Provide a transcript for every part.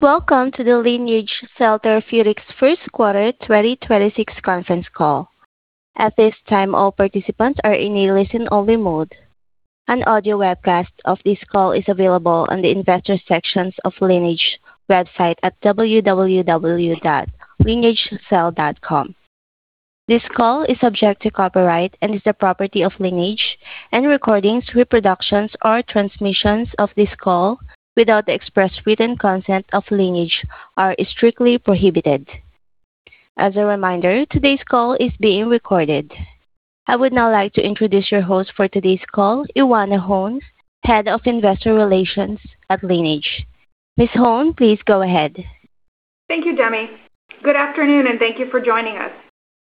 Welcome to the Lineage Cell Therapeutics first quarter 2026 conference call. At this time, all participants are in a listen-only mode. An audio webcast of this call is available on the Investors section of Lineage website at www.lineagecell.com. This call is subject to copyright and is the property of Lineage, and recordings, reproductions, or transmissions of this call without the express written consent of Lineage are strictly prohibited. As a reminder, today's call is being recorded. I would now like to introduce your host for today's call, Ioana Hone, Head of Investor Relations at Lineage. Ms. Hone, please go ahead. Thank you, Demi. Good afternoon and thank you for joining us.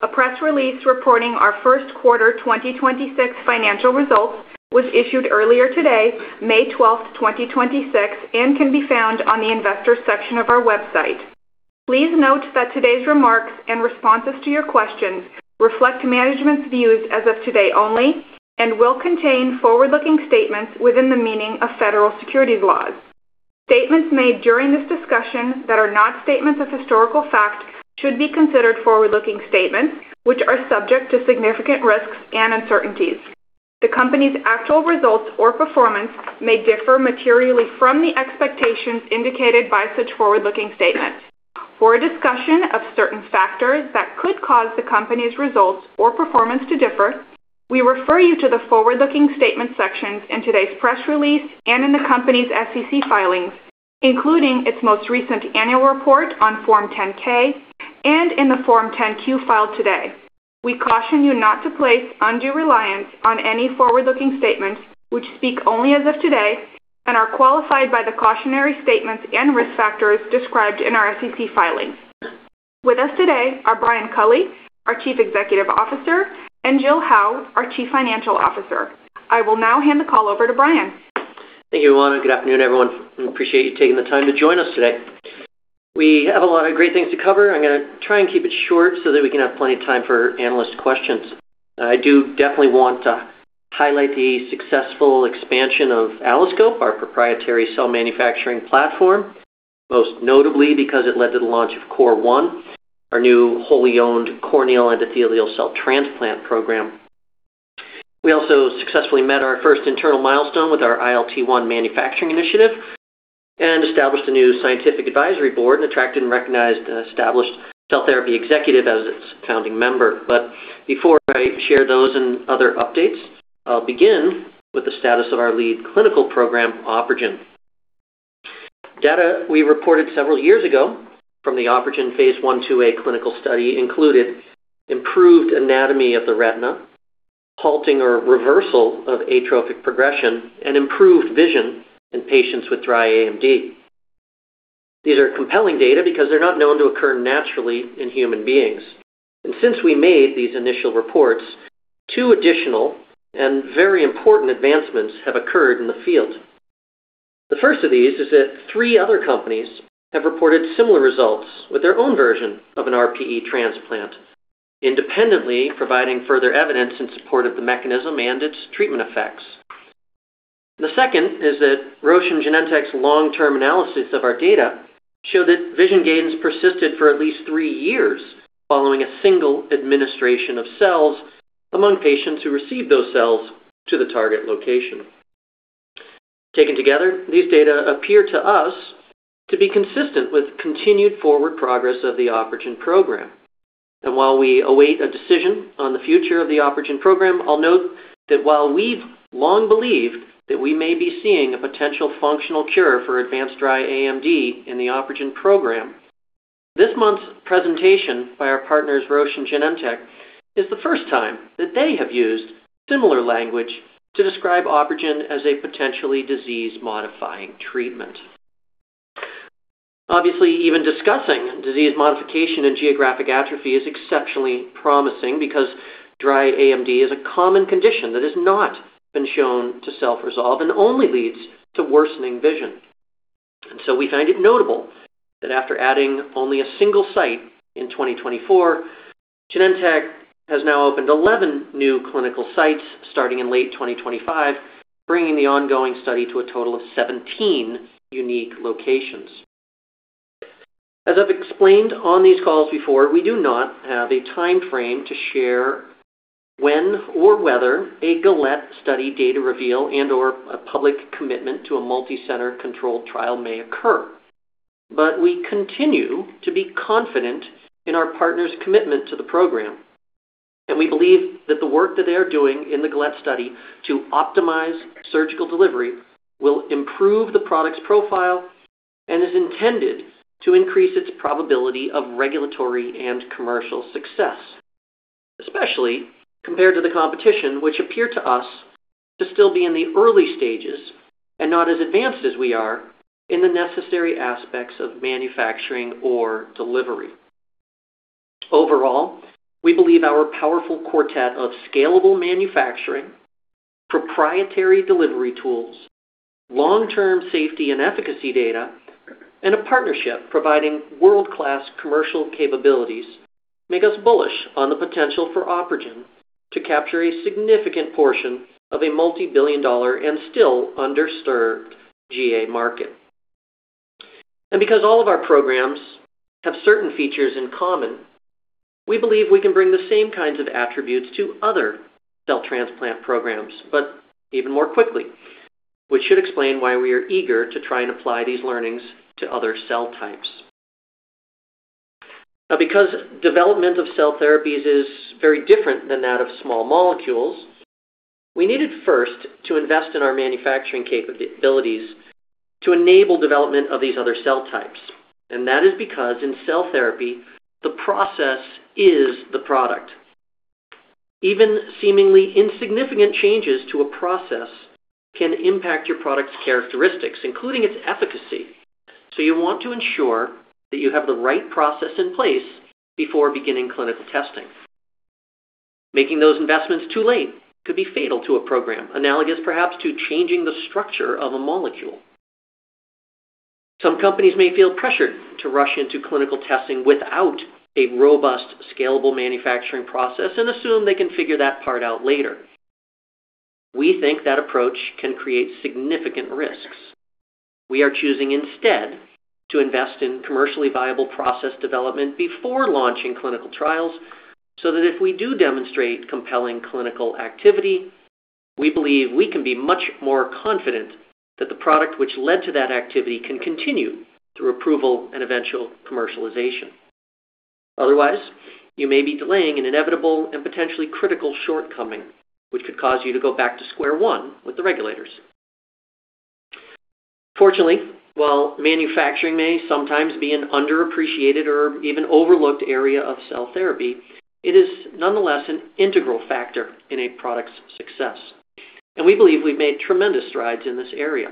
A press release reporting our first quarter 2026 financial results was issued earlier today, May 12th, 2026, and can be found on the Investors section of our website. Please note that today's remarks and responses to your questions reflect management's views as of today only and will contain forward-looking statements within the meaning of federal securities laws. Statements made during this discussion that are not statements of historical fact should be considered forward-looking statements, which are subject to significant risks and uncertainties. The company's actual results or performance may differ materially from the expectations indicated by such forward-looking statements. For a discussion of certain factors that could cause the company's results or performance to differ, we refer you to the forward-looking statements sections in today's press release and in the company's SEC filings, including its most recent annual report on Form 10-K and in the Form 10-Q filed today. We caution you not to place undue reliance on any forward-looking statements which speak only as of today and are qualified by the cautionary statements and risk factors described in our SEC filings. With us today are Brian Culley, our Chief Executive Officer, and Jill Howe, our Chief Financial Officer. I will now hand the call over to Brian. Thank you, Ioana. Good afternoon, everyone. We appreciate you taking the time to join us today. We have a lot of great things to cover. I'm gonna try and keep it short so that we can have plenty of time for analyst questions. I do definitely want to highlight the successful expansion of AlloSCOPE, our proprietary cell manufacturing platform, most notably because it led to the launch of COR1, our new wholly owned corneal endothelial cell transplant program. We also successfully met our first internal milestone with our ILT1 manufacturing initiative and established a new Scientific Advisory Board and attracted and recognized an established cell therapy executive as its founding member. But before I share those and other updates, I'll begin with the status of our lead clinical program, OpRegen. Data we reported several years ago from the OpRegen phase I/II-A clinical study included improved anatomy of the retina, halting or reversal of atrophic progression, and improved vision in patients with dry AMD. These are compelling data because they're not known to occur naturally in human beings. Since we made these initial reports, two additional and very important advancements have occurred in the field. The first of these is that three other companies have reported similar results with their own version of an RPE transplant, independently providing further evidence in support of the mechanism and its treatment effects. The second is that Roche and Genentech's long-term analysis of our data show that vision gains persisted for at least three years following a single administration of cells among patients who received those cells to the target location. Taken together, these data appear to us to be consistent with continued forward progress of the OpRegen program. While we await a decision on the future of the OpRegen program, I'll note that while we've long believed that we may be seeing a potential functional cure for advanced dry AMD in the OpRegen program, this month's presentation by our partners Roche and Genentech is the first time that they have used similar language to describe OpRegen as a potentially disease-modifying treatment. Obviously, even discussing disease modification in geographic atrophy is exceptionally promising because dry AMD is a common condition that has not been shown to self-resolve and only leads to worsening vision. We find it notable that after adding only a single site in 2024, Genentech has now opened 11 new clinical sites starting in late 2025, bringing the ongoing study to a total of 17 unique locations. As I've explained on these calls before, we do not have a timeframe to share when or whether a GAlette study data reveal and/or a public commitment to a multi-center-controlled trial may occur. But we continue to be confident in our partner's commitment to the program, and we believe that the work that they are doing in the GAlette study to optimize surgical delivery will improve the product's profile and is intended to increase its probability of regulatory and commercial success, especially compared to the competition, which appear to us to still be in the early stages and not as advanced as we are in the necessary aspects of manufacturing or delivery. Overall, we believe our powerful quartet of scalable manufacturing, proprietary delivery tools, long-term safety and efficacy data, and a partnership providing world-class commercial capabilities make us bullish on the potential for OpRegen to capture a significant portion of a multibillion-dollar and still underserved GA market. Because all of our programs have certain features in common, we believe we can bring the same kinds of attributes to other cell transplant programs, but even more quickly, which should explain why we are eager to try and apply these learnings to other cell types. Now, because development of cell therapies is very different than that of small molecules, we needed first to invest in our manufacturing capabilities to enable development of these other cell types. That is because in cell therapy, the process is the product. Even seemingly insignificant changes to a process can impact your product's characteristics, including its efficacy, so you want to ensure that you have the right process in place before beginning clinical testing. Making those investments too late could be fatal to a program, analogous perhaps to changing the structure of a molecule. Some companies may feel pressured to rush into clinical testing without a robust, scalable manufacturing process and assume they can figure that part out later, we think that approach can create significant risks. We are choosing instead to invest in commercially viable process development before launching clinical trials so that if we do demonstrate compelling clinical activity, we believe we can be much more confident that the product which led to that activity can continue through approval and eventual commercialization. Otherwise, you may be delaying an inevitable and potentially critical shortcoming, which could cause you to go back to square one with the regulators. Fortunately, while manufacturing may sometimes be an underappreciated or even overlooked area of cell therapy, it is nonetheless an integral factor in a product's success, and we believe we've made tremendous strides in this area.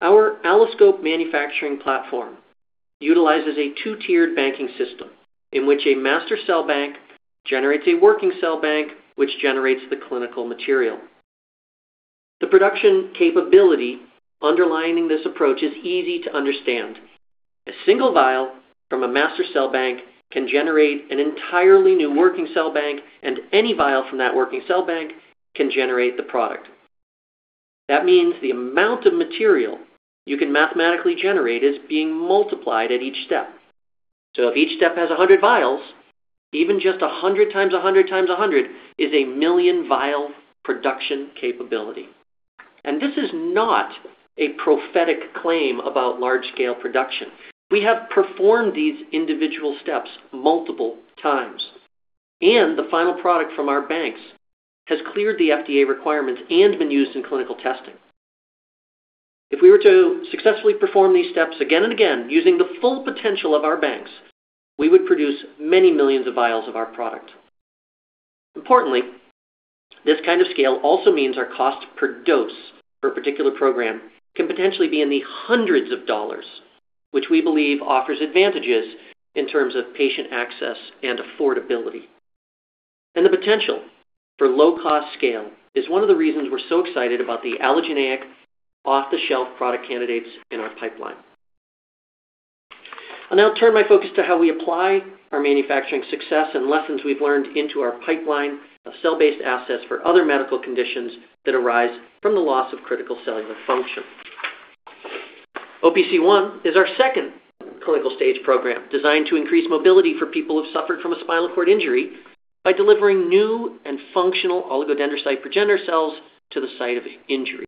Our AlloSCOPE manufacturing platform utilizes a two-tiered banking system in which a master cell bank generates a working cell bank, which generates the clinical material. The production capability underlying this approach is easy to understand. A single vial from a master cell bank can generate an entirely new working cell bank, and any vial from that working cell bank can generate the product. That means the amount of material you can mathematically generate is being multiplied at each step. If each step has 100 vials, even just 100 times 100 times 100 is a 1 million-vial production capability. This is not a prophetic claim about large-scale production. We have performed these individual steps multiple times, and the final product from our banks has cleared the FDA requirements and been used in clinical testing. If we were to successfully perform these steps again and again using the full potential of our banks, we would produce many millions of vials of our product. Importantly, this kind of scale also means our cost per dose for a particular program can potentially be in the hundreds of dollars, which we believe offers advantages in terms of patient access and affordability. The potential for low-cost scale is one of the reasons we're so excited about the allogeneic off-the-shelf product candidates in our pipeline. I'll now turn my focus to how we apply our manufacturing success and lessons we've learned into our pipeline of cell-based assets for other medical conditions that arise from the loss of critical cellular function. OPC1 is our second clinical-stage program designed to increase mobility for people who've suffered from a spinal cord injury by delivering new and functional oligodendrocyte progenitor cells to the site of injury.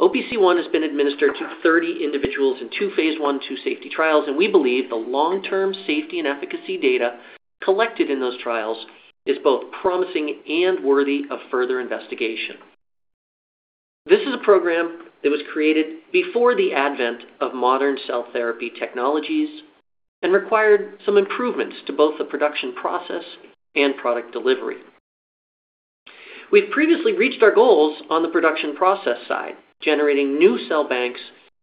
OPC1 has been administered to 30 individuals in two phase I/II safety trials, and we believe the long-term safety and efficacy data collected in those trials is both promising and worthy of further investigation. This is a program that was created before the advent of modern cell therapy technologies and required some improvements to both the production process and product delivery. We've previously reached our goals on the production process side, generating new cell banks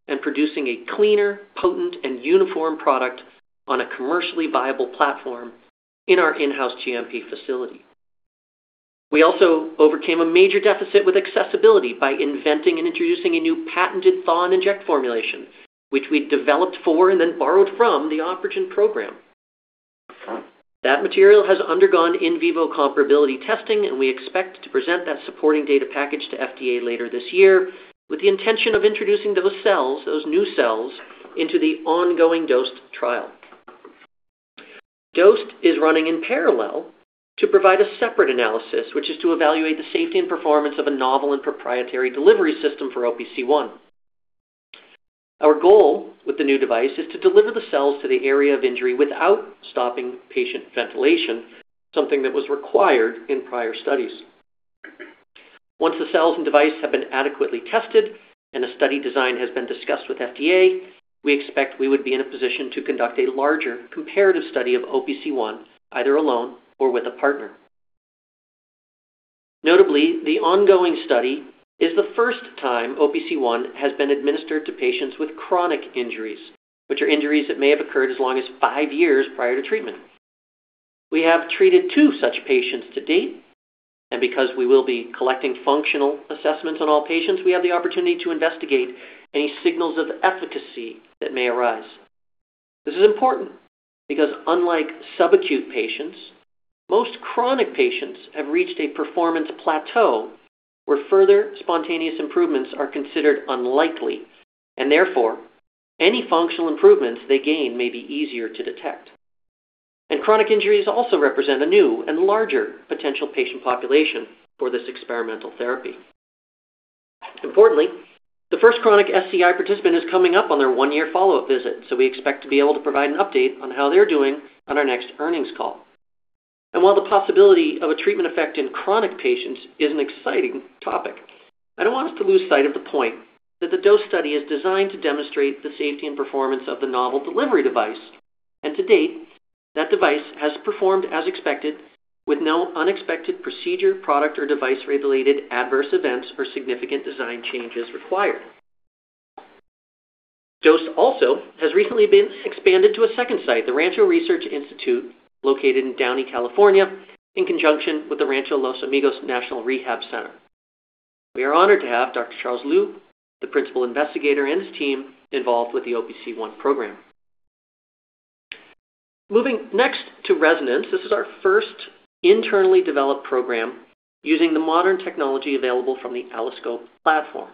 and producing a cleaner, potent, and uniform product on a commercially viable platform in our in-house GMP facility. We also overcame a major deficit with accessibility by inventing and introducing a new patented thaw and inject formulation, which we developed for and then borrowed from the OpRegen program. That material has undergone in vivo comparability testing, and we expect to present that supporting data package to FDA later this year with the intention of introducing those cells, those new cells, into the ongoing DOSED trial. DOSED is running in parallel to provide a separate analysis, which is to evaluate the safety and performance of a novel and proprietary delivery system for OPC1. Our goal with the new device is to deliver the cells to the area of injury without stopping patient ventilation, something that was required in prior studies. Once the cells and device have been adequately tested and a study design has been discussed with FDA, we expect we would be in a position to conduct a larger comparative study of OPC1 either alone or with a partner. Notably, the ongoing study is the first time OPC1 has been administered to patients with chronic injuries, which are injuries that may have occurred as long as five years prior to treatment. We have treated two such patients to date, and because we will be collecting functional assessments on all patients, we have the opportunity to investigate any signals of efficacy that may arise. This is important because unlike subacute patients, most chronic patients have reached a performance plateau where further spontaneous improvements are considered unlikely, and therefore, any functional improvements they gain may be easier to detect. Chronic injuries also represent a new and larger potential patient population for this experimental therapy. Importantly, the first chronic SCI participant is coming up on their one-year follow-up visit, so we expect to be able to provide an update on how they're doing on our next earnings call. While the possibility of a treatment effect in chronic patients is an exciting topic, I don't want us to lose sight of the point that the DOSED study is designed to demonstrate the safety and performance of the novel delivery device, and to date, that device has performed as expected with no unexpected procedure, product, or device-related adverse events or significant design changes required. DOSED also has recently been expanded to a second site, the Rancho Research Institute, located in Downey, California, in conjunction with the Rancho Los Amigos National Rehab Center. We are honored to have Dr. Charles Liu, the principal investigator, and his team involved with the OPC1 program. Moving next to ReSonance, this is our first internally developed program using the modern technology available from the AlloSCOPE platform.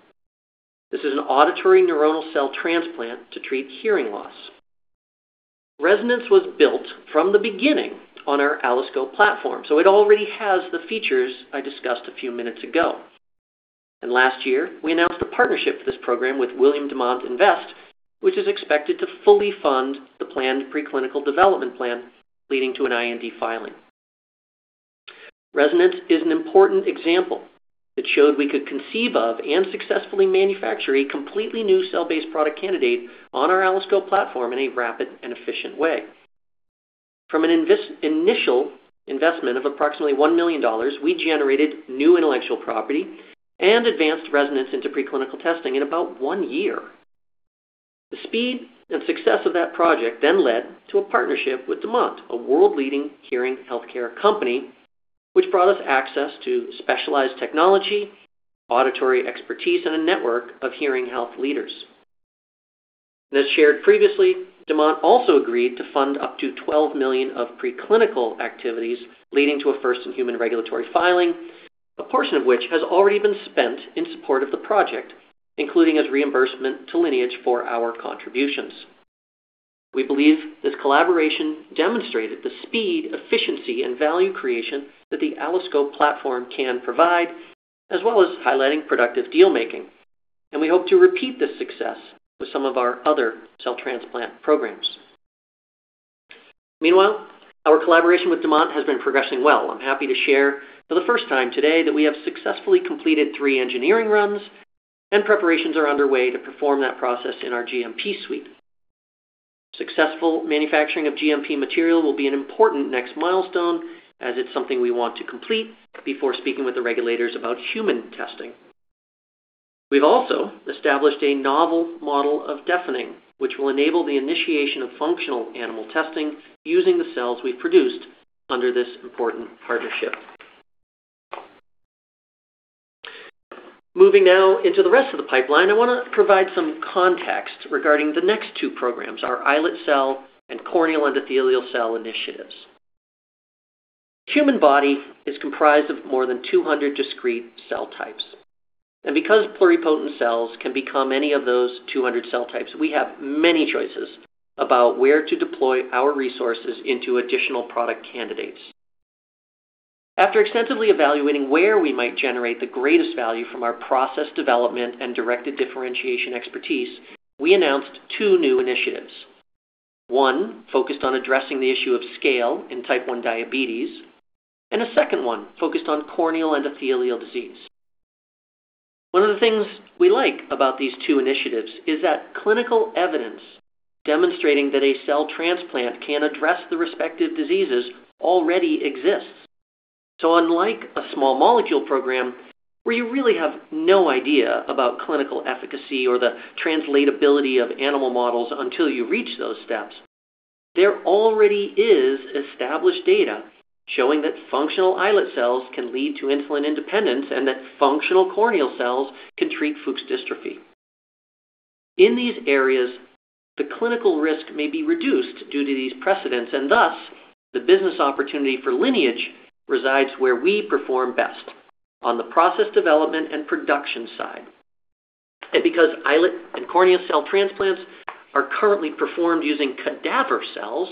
This is an auditory neuronal cell transplant to treat hearing loss. ReSonance was built from the beginning on our AlloSCOPE platform, so it already has the features I discussed a few minutes ago. Last year, we announced a partnership for this program with William Demant Invest, which is expected to fully fund the planned preclinical development plan leading to an IND filing. ReSonance is an important example that showed we could conceive of and successfully manufacture a completely new cell-based product candidate on our AlloSCOPE platform in a rapid and efficient way. From an initial investment of approximately $1 million, we generated new intellectual property and advanced ReSonance into preclinical testing in about one year. The speed and success of that project then led to a partnership with Demant, a world-leading hearing healthcare company, which brought us access to specialized technology, auditory expertise, and a network of hearing health leaders. As shared previously, Demant also agreed to fund up to $12 million of preclinical activities leading to a first-in-human regulatory filing, a portion of which has already been spent in support of the project, including as reimbursement to Lineage for our contributions. We believe this collaboration demonstrated the speed, efficiency, and value creation that the AlloSCOPE platform can provide, as well as highlighting productive deal-making, and we hope to repeat this success with some of our other cell transplant programs. Meanwhile, our collaboration with Demant has been progressing well. I'm happy to share for the first time today that we have successfully completed three engineering runs, and preparations are underway to perform that process in our GMP suite. Successful manufacturing of GMP material will be an important next milestone, as it's something we want to complete before speaking with the regulators about human testing. We've also established a novel model of deafening, which will enable the initiation of functional animal testing using the cells we've produced under this important partnership. Moving now into the rest of the pipeline, I want to provide some context regarding the next two programs, our islet cell and corneal endothelial cell initiatives. The human body is comprised of more than 200 discrete cell types, and because pluripotent cells can become any of those 200 cell types, we have many choices about where to deploy our resources into additional product candidates. After extensively evaluating where we might generate the greatest value from our process development and directed differentiation expertise, we announced two new initiatives. One focused on addressing the issue of scale in type 1 diabetes, and a second one focused on corneal endothelial disease. One of the things we like about these two initiatives is that clinical evidence demonstrating that a cell transplant can address the respective diseases already exists, so unlike a small molecule program where you really have no idea about clinical efficacy or the translatability of animal models until you reach those steps, there already is established data showing that functional islet cells can lead to insulin independence and that functional corneal cells can treat Fuchs dystrophy. In these areas, the clinical risk may be reduced due to these precedents, and thus, the business opportunity for Lineage resides where we perform best, on the process development and production side. Because islet and cornea cell transplants are currently performed using cadaver cells,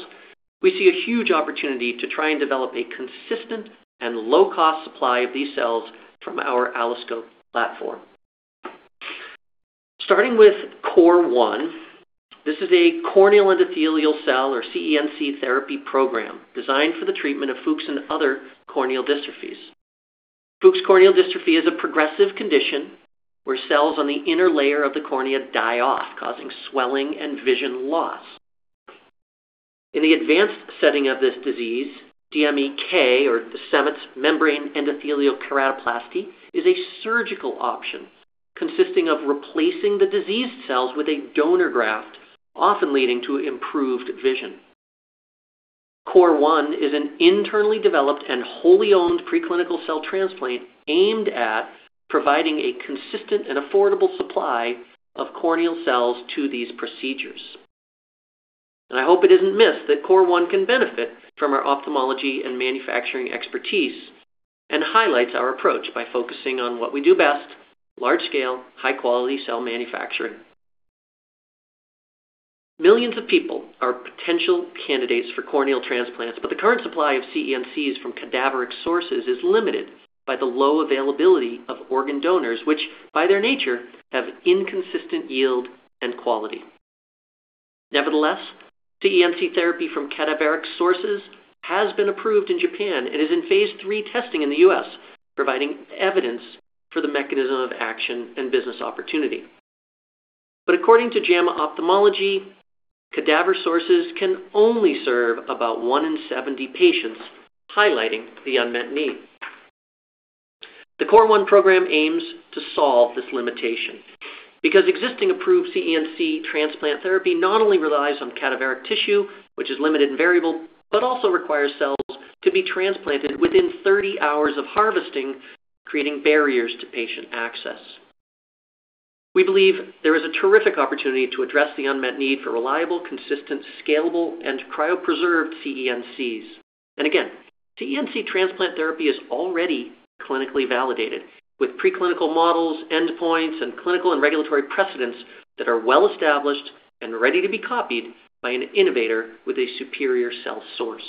we see a huge opportunity to try and develop a consistent and low-cost supply of these cells from our AlloSCOPE platform. Starting with COR1, this is a corneal endothelial cell, or CEnC, therapy program designed for the treatment of Fuchs and other corneal dystrophies. Fuchs corneal dystrophy is a progressive condition where cells on the inner layer of the cornea die off, causing swelling and vision loss. In the advanced setting of this disease, DMEK, or Descemet's membrane endothelial keratoplasty, is a surgical option consisting of replacing the diseased cells with a donor graft, often leading to improved vision. COR1 is an internally developed and wholly owned preclinical cell transplant aimed at providing a consistent and affordable supply of corneal cells to these procedures. I hope it isn't missed that COR1 can benefit from our ophthalmology and manufacturing expertise and highlights our approach by focusing on what we do best, large-scale, high-quality cell manufacturing. Millions of people are potential candidates for corneal transplants, but the current supply of CEnCs from cadaveric sources is limited by the low availability of organ donors, which by their nature have inconsistent yield and quality. Nevertheless, CEnC therapy from cadaveric sources has been approved in Japan and is in phase III testing in the U.S., providing evidence for the mechanism of action and business opportunity. According to JAMA Ophthalmology, cadaver sources can only serve about one in 70 patients, highlighting the unmet need. The COR1 program aims to solve this limitation because existing approved CEnC transplant therapy not only relies on cadaveric tissue, which is limited and variable, but also requires cells to be transplanted within 30 hours of harvesting, creating barriers to patient access. We believe there is a terrific opportunity to address the unmet need for reliable, consistent, scalable, and cryopreserved CEnCs. Again, CEnC transplant therapy is already clinically validated with preclinical models, endpoints, and clinical and regulatory precedents that are well-established and ready to be copied by an innovator with a superior cell source.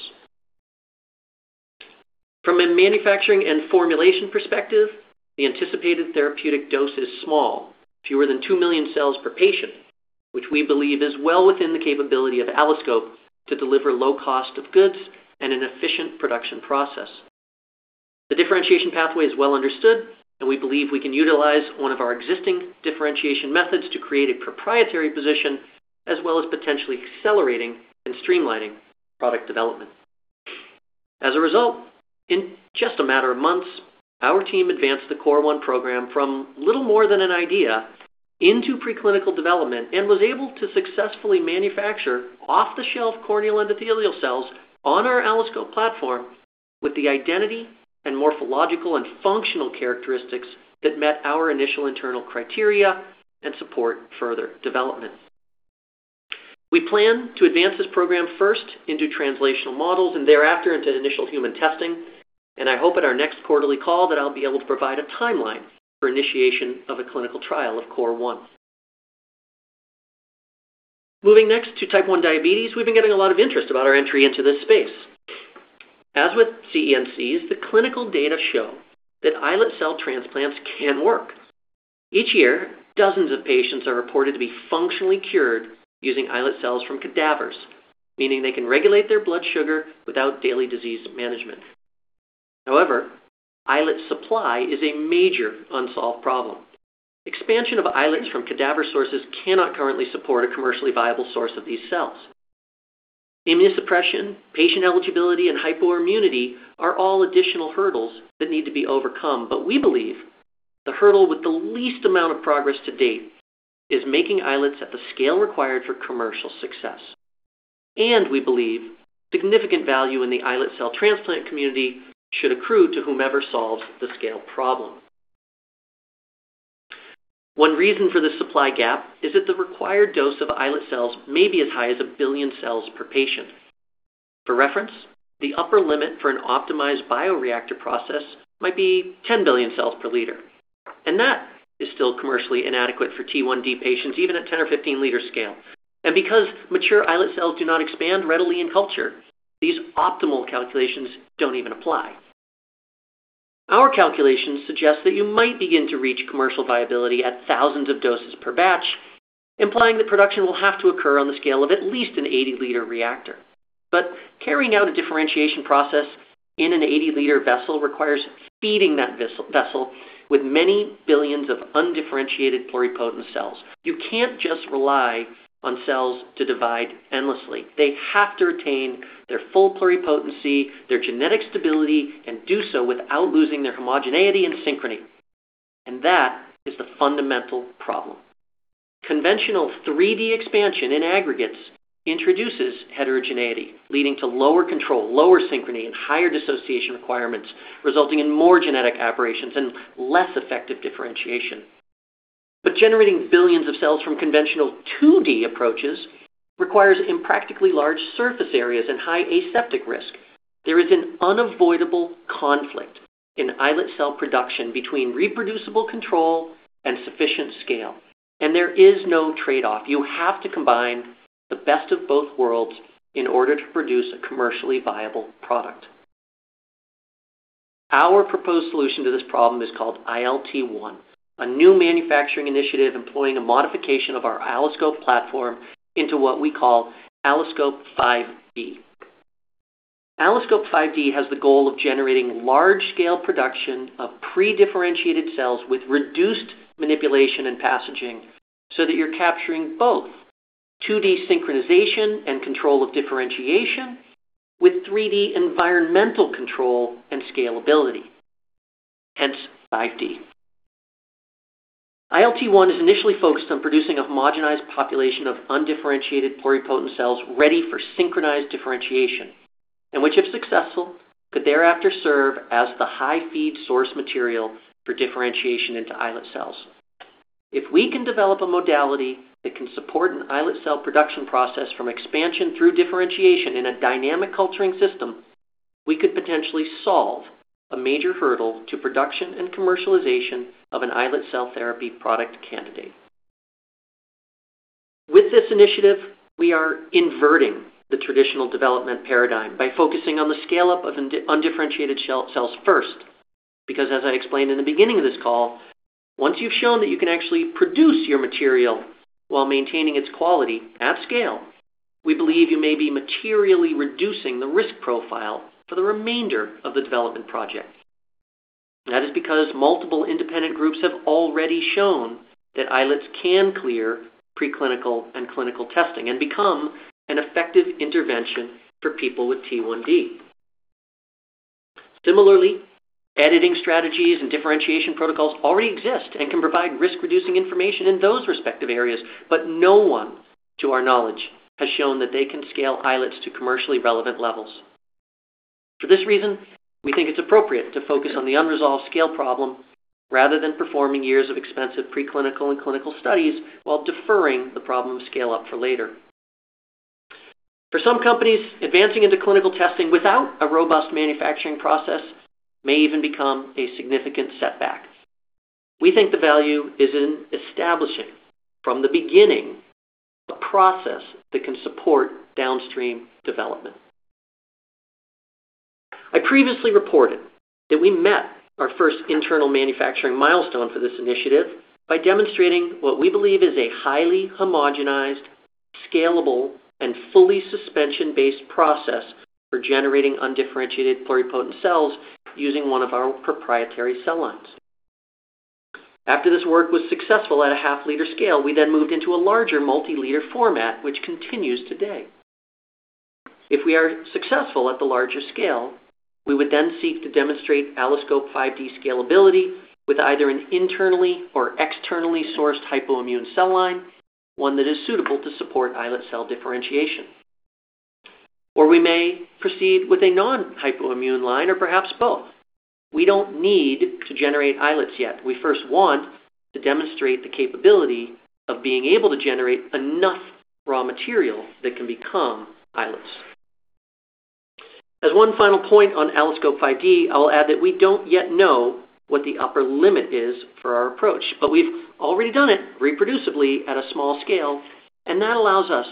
From a manufacturing and formulation perspective, the anticipated therapeutic dose is small, fewer than 2 million cells per patient, which we believe is well within the capability of AlloSCOPE to deliver low cost of goods and an efficient production process. The differentiation pathway is well-understood, and we believe we can utilize one of our existing differentiation methods to create a proprietary position as well as potentially accelerating and streamlining product development. As a result, in just a matter of months, our team advanced the COR1 program from little more than an idea into preclinical development and was able to successfully manufacture off-the-shelf corneal endothelial cells on our AlloSCOPE platform with the identity and morphological and functional characteristics that met our initial internal criteria and support further development. We plan to advance this program first into translational models and thereafter into initial human testing, and I hope at our next quarterly call that I'll be able to provide a timeline for initiation of a clinical trial of COR1. Moving next to type 1 diabetes, we've been getting a lot of interest about our entry into this space. As with CEnCs, the clinical data show that islet cell transplants can work. Each year, dozens of patients are reported to be functionally cured using islet cells from cadavers, meaning they can regulate their blood sugar without daily disease management. However, islet supply is a major unsolved problem. Expansion of islets from cadaver sources cannot currently support a commercially viable source of these cells. Immunosuppression, patient eligibility, and hypoimmunity are all additional hurdles that need to be overcome, but we believe the hurdle with the least amount of progress to date is making islets at the scale required for commercial success. We believe significant value in the islet cell transplant community should accrue to whomever solves the scale problem. One reason for this supply gap is that the required dose of islet cells may be as high as 1 billion cells per patient. For reference, the upper limit for an optimized bioreactor process might be 10 billion cells per liter, and that is still commercially inadequate for T1D patients even at 10-L or 15-L scale. And because mature islet cells do not expand readily in culture, these optimal calculations don't even apply. Our calculations suggest that you might begin to reach commercial viability at thousands of doses per batch, implying that production will have to occur on the scale of at least an 80-L reactor. But carrying out a differentiation process in an 80-L vessel requires feeding that vessel with many billions of undifferentiated pluripotent cells. You can't just rely on cells to divide endlessly. They have to retain their full pluripotency, their genetic stability, and do so without losing their homogeneity and synchrony, and that is the fundamental problem. Conventional 3D expansion in aggregates introduces heterogeneity, leading to lower control, lower synchrony, and higher dissociation requirements, resulting in more genetic aberrations and less effective differentiation. But generating billions of cells from conventional 2D approaches requires impractically large surface areas and high aseptic risk. There is an unavoidable conflict in islet cell production between reproducible control and sufficient scale, and there is no trade-off. You have to combine the best of both worlds in order to produce a commercially viable product. Our proposed solution to this problem is called ILT1, a new manufacturing initiative employing a modification of our AlloSCOPE platform into what we call AlloSCOPE 5D. AlloSCOPE 5D has the goal of generating large-scale production of pre-differentiated cells with reduced manipulation and passaging so that you're capturing both 2D synchronization and control of differentiation with 3D environmental control and scalability, hence 5D. ILT1 is initially focused on producing a homogenized population of undifferentiated pluripotent cells ready for synchronized differentiation, and which, if successful, could thereafter serve as the high-feed source material for differentiation into islet cells. If we can develop a modality that can support an islet cell production process from expansion through differentiation in a dynamic culturing system, we could potentially solve a major hurdle to production and commercialization of an islet cell therapy product candidate. With this initiative, we are inverting the traditional development paradigm by focusing on the scale-up of undifferentiated cells first, because as I explained in the beginning of this call, once you've shown that you can actually produce your material while maintaining its quality at scale, we believe you may be materially reducing the risk profile for the remainder of the development project. That is because multiple independent groups have already shown that islets can clear preclinical and clinical testing and become an effective intervention for people with T1D. Similarly, editing strategies and differentiation protocols already exist and can provide risk-reducing information in those respective areas, but no one, to our knowledge, has shown that they can scale islets to commercially relevant levels. For this reason, we think it's appropriate to focus on the unresolved scale problem rather than performing years of expensive preclinical and clinical studies while deferring the problem of scale-up for later. For some companies, advancing into clinical testing without a robust manufacturing process may even become a significant setback. We think the value is in establishing, from the beginning, a process that can support downstream development. I previously reported that we met our first internal manufacturing milestone for this initiative by demonstrating what we believe is a highly homogenized, scalable, and fully suspension-based process for generating undifferentiated pluripotent cells using one of our proprietary cell lines. After this work was successful at a half-liter scale, we then moved into a larger multi-liter format, which continues today. If we are successful at the larger scale, we would then seek to demonstrate AlloSCOPE 5D scalability with either an internally or externally sourced hypoimmune cell line, one that is suitable to support islet cell differentiation. We may proceed with a non-hypoimmune line or perhaps both. We don't need to generate islets yet. We first want to demonstrate the capability of being able to generate enough raw material that can become islets. As one final point on AlloSCOPE 5D, I'll add that we don't yet know what the upper limit is for our approach, but we've already done it reproducibly at a small scale, and that allows us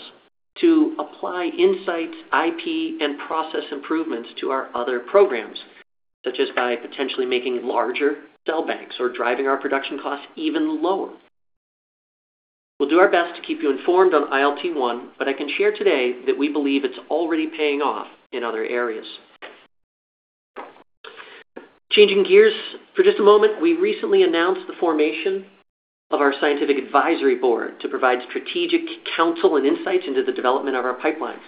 to apply insights, IP, and process improvements to our other programs, such as by potentially making larger cell banks or driving our production costs even lower. We'll do our best to keep you informed on ILT1, but I can share today that we believe it's already paying off in other areas. Changing gears for just a moment, we recently announced the formation of our Scientific Advisory Board to provide strategic counsel and insights into the development of our pipeline.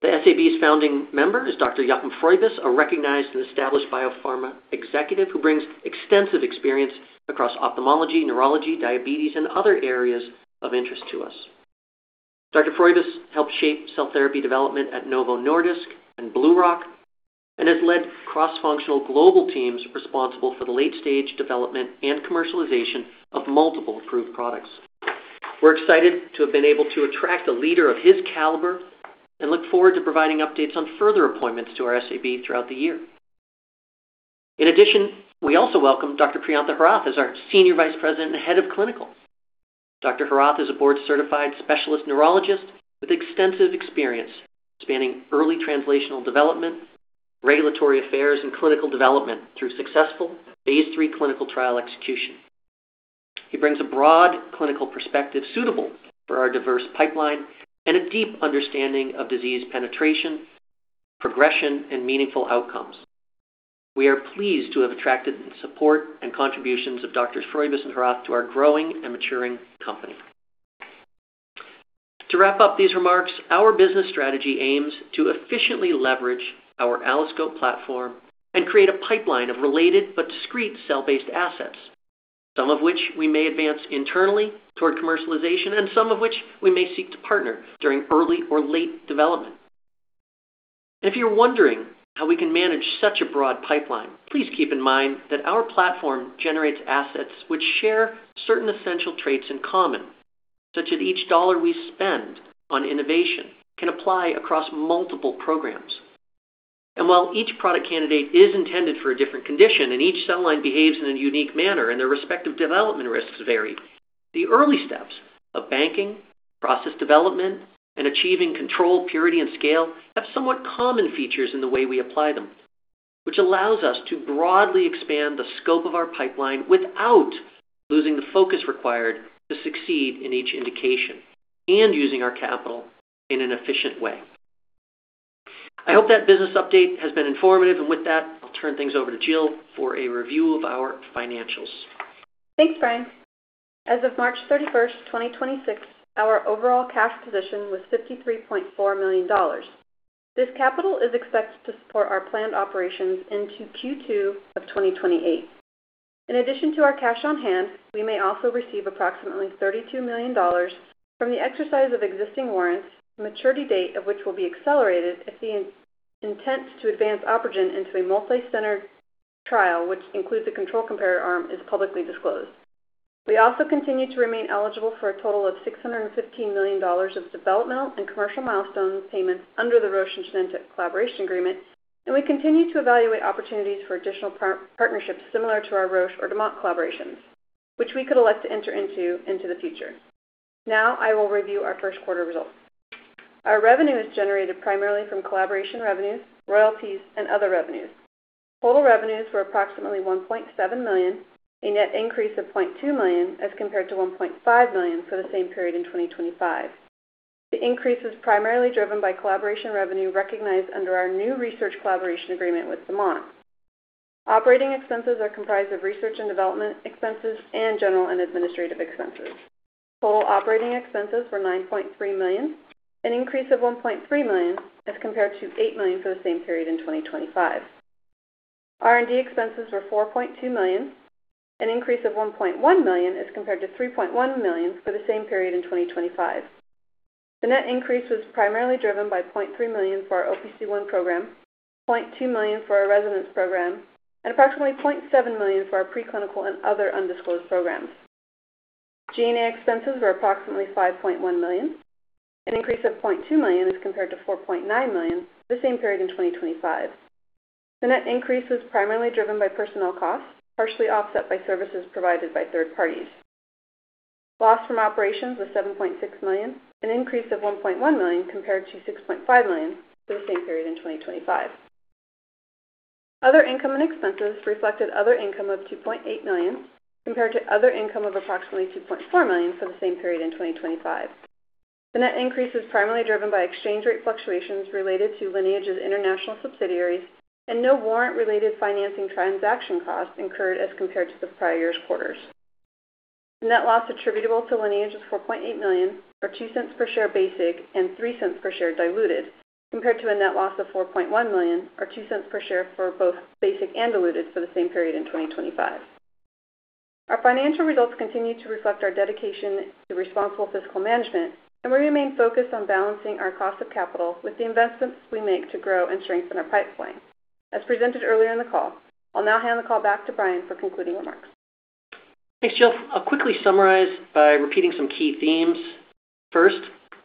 The SAB's founding member is Dr. Joachim Fruebis, a recognized and established biopharma executive who brings extensive experience across ophthalmology, neurology, diabetes, and other areas of interest to us. Dr. Fruebis helped shape cell therapy development at Novo Nordisk and BlueRock and has led cross-functional global teams responsible for the late-stage development and commercialization of multiple approved products. We're excited to have been able to attract a leader of his caliber and look forward to providing updates on further appointments to our SAB throughout the year. In addition, we also welcome Dr. Priyantha Herath as our Senior Vice President and Head of Clinical. Dr. Herath is a board-certified specialist neurologist with extensive experience spanning early translational development, regulatory affairs, and clinical development through successful phase III clinical trial execution. He brings a broad clinical perspective suitable for our diverse pipeline and a deep understanding of disease penetration, progression, and meaningful outcomes. We are pleased to have attracted the support and contributions of Drs. Fruebis and Herath to our growing and maturing company. To wrap up these remarks, our business strategy aims to efficiently leverage our AlloSCOPE platform and create a pipeline of related but discrete cell-based assets, some of which we may advance internally toward commercialization and some of which we may seek to partner during early or late development. If you're wondering how we can manage such a broad pipeline, please keep in mind that our platform generates assets which share certain essential traits in common, such as each dollar we spend on innovation can apply across multiple programs. While each product candidate is intended for a different condition and each cell line behaves in a unique manner and their respective development risks vary, the early steps of banking, process development, and achieving control, purity, and scale have somewhat common features in the way we apply them, which allows us to broadly expand the scope of our pipeline without losing the focus required to succeed in each indication and using our capital in an efficient way. I hope that business update has been informative. With that, I'll turn things over to Jill for a review of our financials. Thanks, Brian. As of March 31st, 2026, our overall cash position was $53.4 million. This capital is expected to support our planned operations into Q2 of 2028. In addition to our cash on hand, we may also receive approximately $32 million from the exercise of existing warrants, maturity date of which will be accelerated if the intent to advance OpRegen into a multi-centered trial, which includes a control comparator arm, as publicly disclosed. We also continue to remain eligible for a total of $615 million of developmental and commercial milestone payments under the Roche and Genentech collaboration agreement, and we continue to evaluate opportunities for additional partnerships similar to our Roche or Demant collaborations, which we could elect to enter into, into the future. Now I will review our first quarter results. Our revenue is generated primarily from collaboration revenues, royalties, and other revenues. Total revenues were approximately $1.7 million, a net increase of $0.2 million, as compared to $1.5 million for the same period in 2025. The increase was primarily driven by collaboration revenue recognized under our new research collaboration agreement with Demant. Operating expenses are comprised of research and development expenses and general and administrative expenses. Total operating expenses were $9.3 million, an increase of $1.3 million, as compared to $8 million for the same period in 2025. R&D expenses were $4.2 million, an increase of $1.1 million, as compared to $3.1 million for the same period in 2025. The net increase was primarily driven by $0.3 million for our OPC1 program, $0.2 million for our ReSonance program, and approximately $0.7 million for our preclinical and other undisclosed programs. G&A expenses were approximately $5.1 million, an increase of $0.2 million as compared to $4.9 million for the same period in 2025. The net increase was primarily driven by personnel costs, partially offset by services provided by third parties. Loss from operations was $7.6 million, an increase of $1.1 million compared to $6.5 million for the same period in 2025. Other income and expenses reflected other income of $2.8 million, compared to other income of approximately $2.4 million for the same period in 2025. The net increase is primarily driven by exchange rate fluctuations related to Lineage's international subsidiaries and no warrant-related financing transaction costs incurred as compared to the prior year's quarters. Net loss attributable to Lineage is $4.8 million or $0.02 per share basic and $0.03 per share diluted, compared to a net loss of $4.1 million or $0.02 per share for both basic and diluted for the same period in 2025. Our financial results continue to reflect our dedication to responsible fiscal management, and we remain focused on balancing our cost of capital with the investments we make to grow and strengthen our pipeline, as presented earlier in the call. I'll now hand the call back to Brian for concluding remarks. Thanks, Jill. I'll quickly summarize by repeating some key themes. First,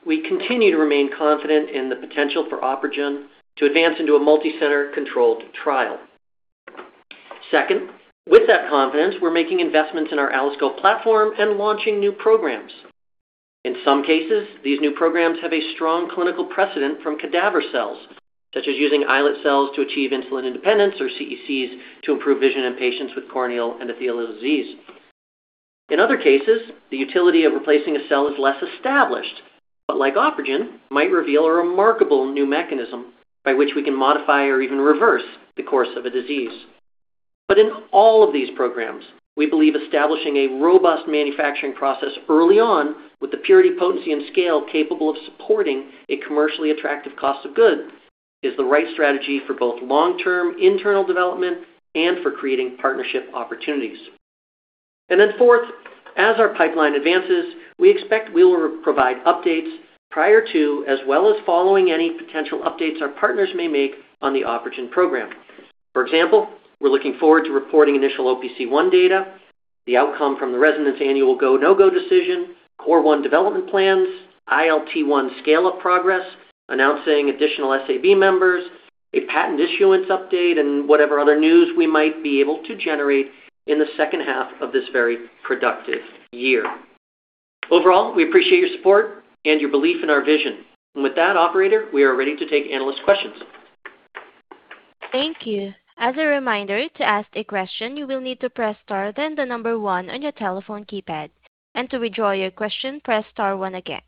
we continue to remain confident in the potential for OpRegen to advance into a multi-center controlled trial. Second, with that confidence, we're making investments in our AlloSCOPE platform and launching new programs. In some cases, these new programs have a strong clinical precedent from cadaver cells, such as using islet cells to achieve insulin independence or CEnCs to improve vision in patients with corneal endothelial disease. In other cases, the utility of replacing a cell is less established, but like OpRegen, might reveal a remarkable new mechanism by which we can modify or even reverse the course of a disease. But in all of these programs, we believe establishing a robust manufacturing process early on with the purity, potency, and scale capable of supporting a commercially attractive cost of goods is the right strategy for both long-term internal development and for creating partnership opportunities. Fourth, as our pipeline advances, we expect we will provide updates prior to as well as following any potential updates our partners may make on the OpRegen program. For example, we're looking forward to reporting initial OPC1 data, the outcome from the ReSonance annual go, no-go decision, COR1 development plans, ILT1 scale-up progress, announcing additional SAB members, a patent issuance update, and whatever other news we might be able to generate in the second half of this very productive year. Overall, we appreciate your support and your belief in our vision. With that, operator, we are ready to take analyst questions. Thank you. As a reminder, to ask a question, you will need to press star, then the number one on your telephone keypad. To withdraw your question, press star one again.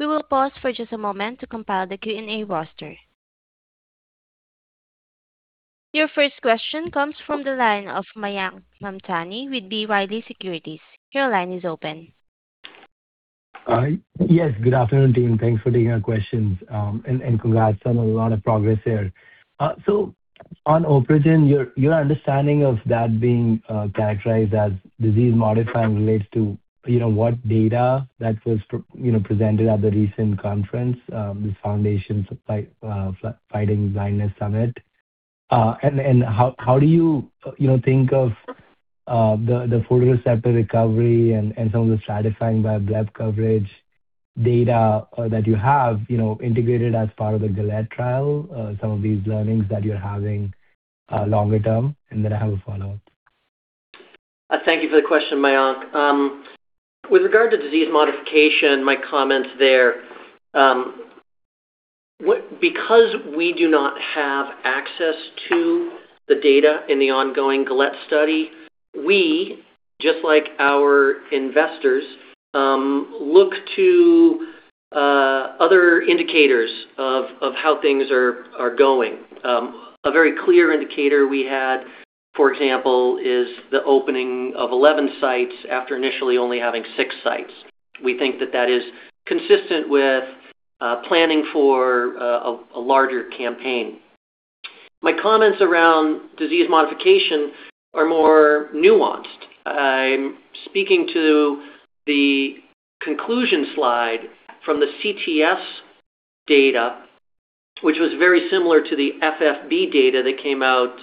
We will pause for just a moment to compile the Q&A roster. Your first question comes from the line of Mayank Mamtani with B. Riley Securities. Your line is open. Yes, good afternoon, team. Thanks for taking our questions, and congrats on a lot of progress here. On OpRegen, your understanding of that being characterized as disease-modifying relates to, you know, what data that was you know, presented at the recent conference, the Foundation Fighting Blindness Summit, and how do you think of the photoreceptor recovery and some of the stratifying by bleb coverage data that you have, you know, integrated as part of the GAlette trial, some of these learnings that you're having longer term? Then I have a follow-up. Thank you for the question, Mayank. With regard to disease modification, my comments there, because we do not have access to the data in the ongoing GAlette study, we, just like our investors, look to other indicators of how things are going. A very clear indicator we had, for example, is the opening of 11 sites after initially only having six sites. We think that that is consistent with planning for a larger campaign. My comments around disease modification are more nuanced. I'm speaking to the conclusion slide from the CTS data, which was very similar to the FFB data that came out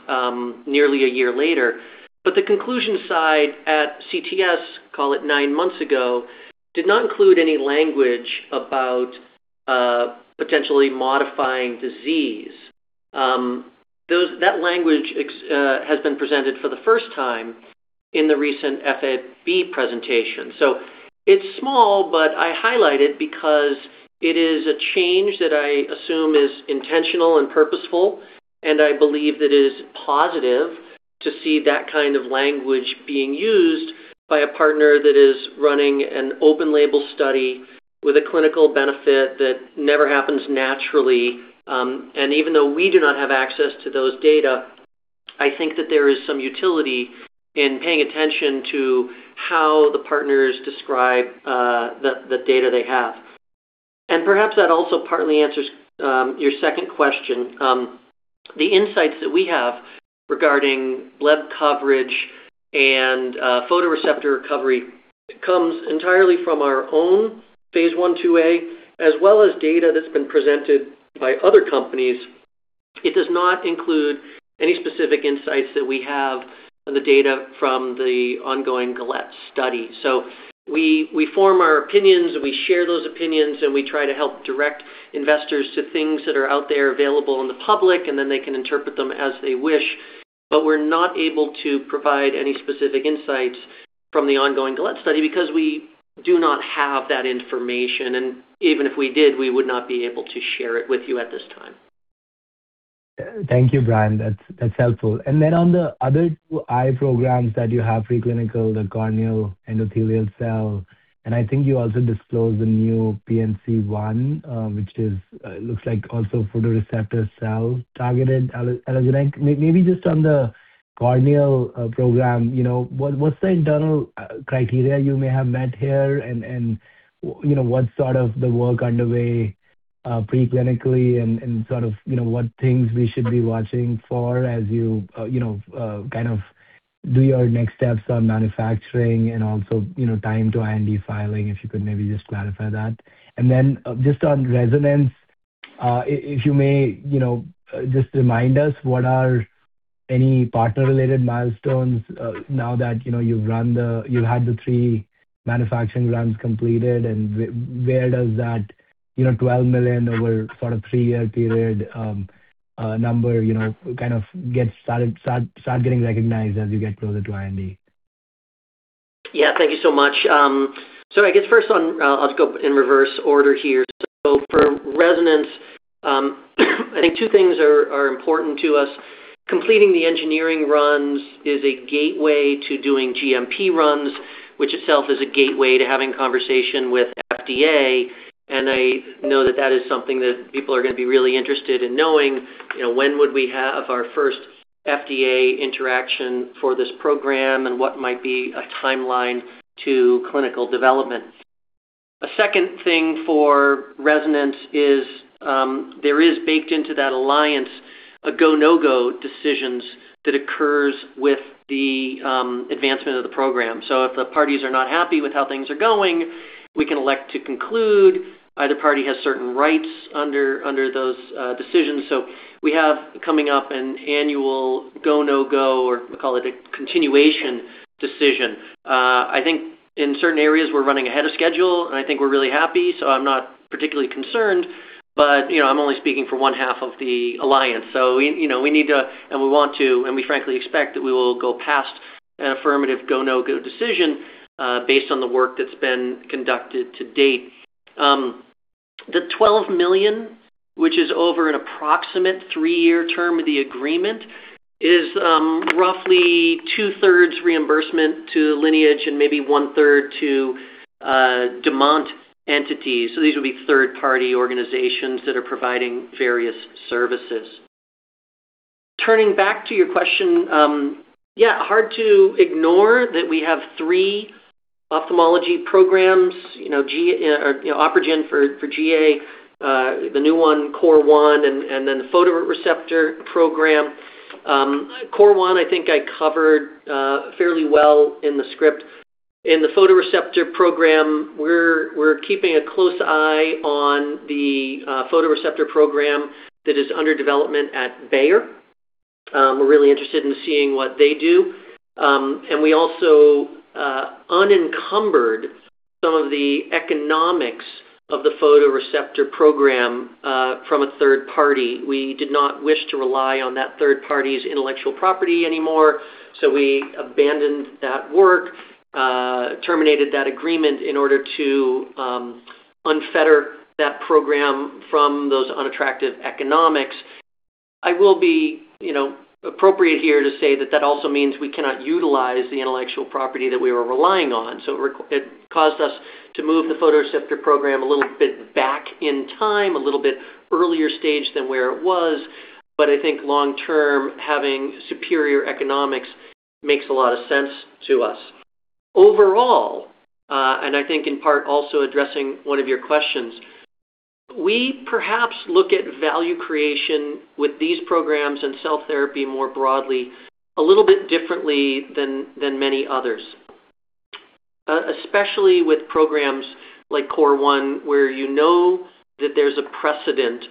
nearly a year later. But the conclusion slide at CTS, call it nine months ago, did not include any language about potentially modifying disease. That language has been presented for the first time in the recent FFB presentation. It's small, but I highlight it because it is a change that I assume is intentional and purposeful, and I believe that it is positive to see that kind of language being used by a partner that is running an open label study with a clinical benefit that never happens naturally. And even though we do not have access to those data, I think that there is some utility in paying attention to how the partners describe the data they have. And perhaps that also partly answers your second question. The insights that we have regarding bleb coverage and photoreceptor recovery comes entirely from our own phase I/II-A, as well as data that's been presented by other companies. It does not include any specific insights that we have on the data from the ongoing GAlette study. We form our opinions, we share those opinions, we try to help direct investors to things that are out there available in the public, and then they can interpret them as they wish. But we're not able to provide any specific insights from the ongoing GAlette study because we do not have that information. Even if we did, we would not be able to share it with you at this time. Thank you, Brian. That's helpful. Then on the other two eye programs that you have, preclinical, the corneal endothelial cell, and I think you also disclosed the new PNC1, which is, looks like also photoreceptor cell-targeted allogeneic. Maybe just on the corneal program, you know, what's the internal criteria you may have met here, and you know, what's sort of the work underway preclinically and sort of, you know, what things we should be watching for as you know, kind of do your next steps on manufacturing and also, you know, time to IND filing? If you could maybe just clarify that. Then, just on ReSonance, if you may, you know, just remind us what are any partner-related milestones, now that, you know, you had the three manufacturing runs completed and where does that, you know, $12 million over sort of three-year period, number, you know, kind of start getting recognized as you get closer to IND? Yeah. Thank you so much. I guess first on, I'll go in reverse order here, for ReSonance, I think two things are important to us. Completing the engineering runs is a gateway to doing GMP runs, which itself is a gateway to having conversation with FDA. I know that that is something that people are gonna be really interested in knowing, you know, when would we have our first FDA interaction for this program, and what might be a timeline to clinical development. A second thing for ReSonance is, there is baked into that alliance a go, no-go decisions that occurs with the advancement of the program. If the parties are not happy with how things are going, we can elect to conclude. Either party has certain rights under those decisions. We have coming up an annual go, no-go or we call it a continuation decision. I think in certain areas we're running ahead of schedule, and I think we're really happy, so I'm not particularly concerned. But, you know, I'm only speaking for one half of the alliance, so you know, we need to, and we want to, and we frankly expect that we will go past an affirmative go, no-go decision based on the work that's been conducted to date. The $12 million, which is over an approximate three-year term of the agreement, is roughly 2/3 reimbursement to Lineage and maybe 1/3 to Demant entities, so these will be third-party organizations that are providing various services. Turning back to your question, yeah, hard to ignore that we have three ophthalmology programs. You know, OpRegen for GA, the new one, COR1, then the photoreceptor program. COR1, I think I covered fairly well in the script. In the photoreceptor program, we're keeping a close eye on the photoreceptor program that is under development at Bayer. We're really interested in seeing what they do. We also unencumbered some of the economics of the photoreceptor program from a third party. We did not wish to rely on that third party's intellectual property anymore, so we abandoned that work, terminated that agreement in order to unfetter that program from those unattractive economics. I will be appropriate here to say that that also means we cannot utilize the intellectual property that we were relying on. It caused us to move the photoreceptor program a little bit back in time, a little bit earlier stage than where it was. But I think long term, having superior economics makes a lot of sense to us. Overall, and I think in part also addressing one of your questions, we perhaps look at value creation with these programs and cell therapy more broadly a little bit differently than many others. Especially with programs like COR1, where you know that there's a precedent.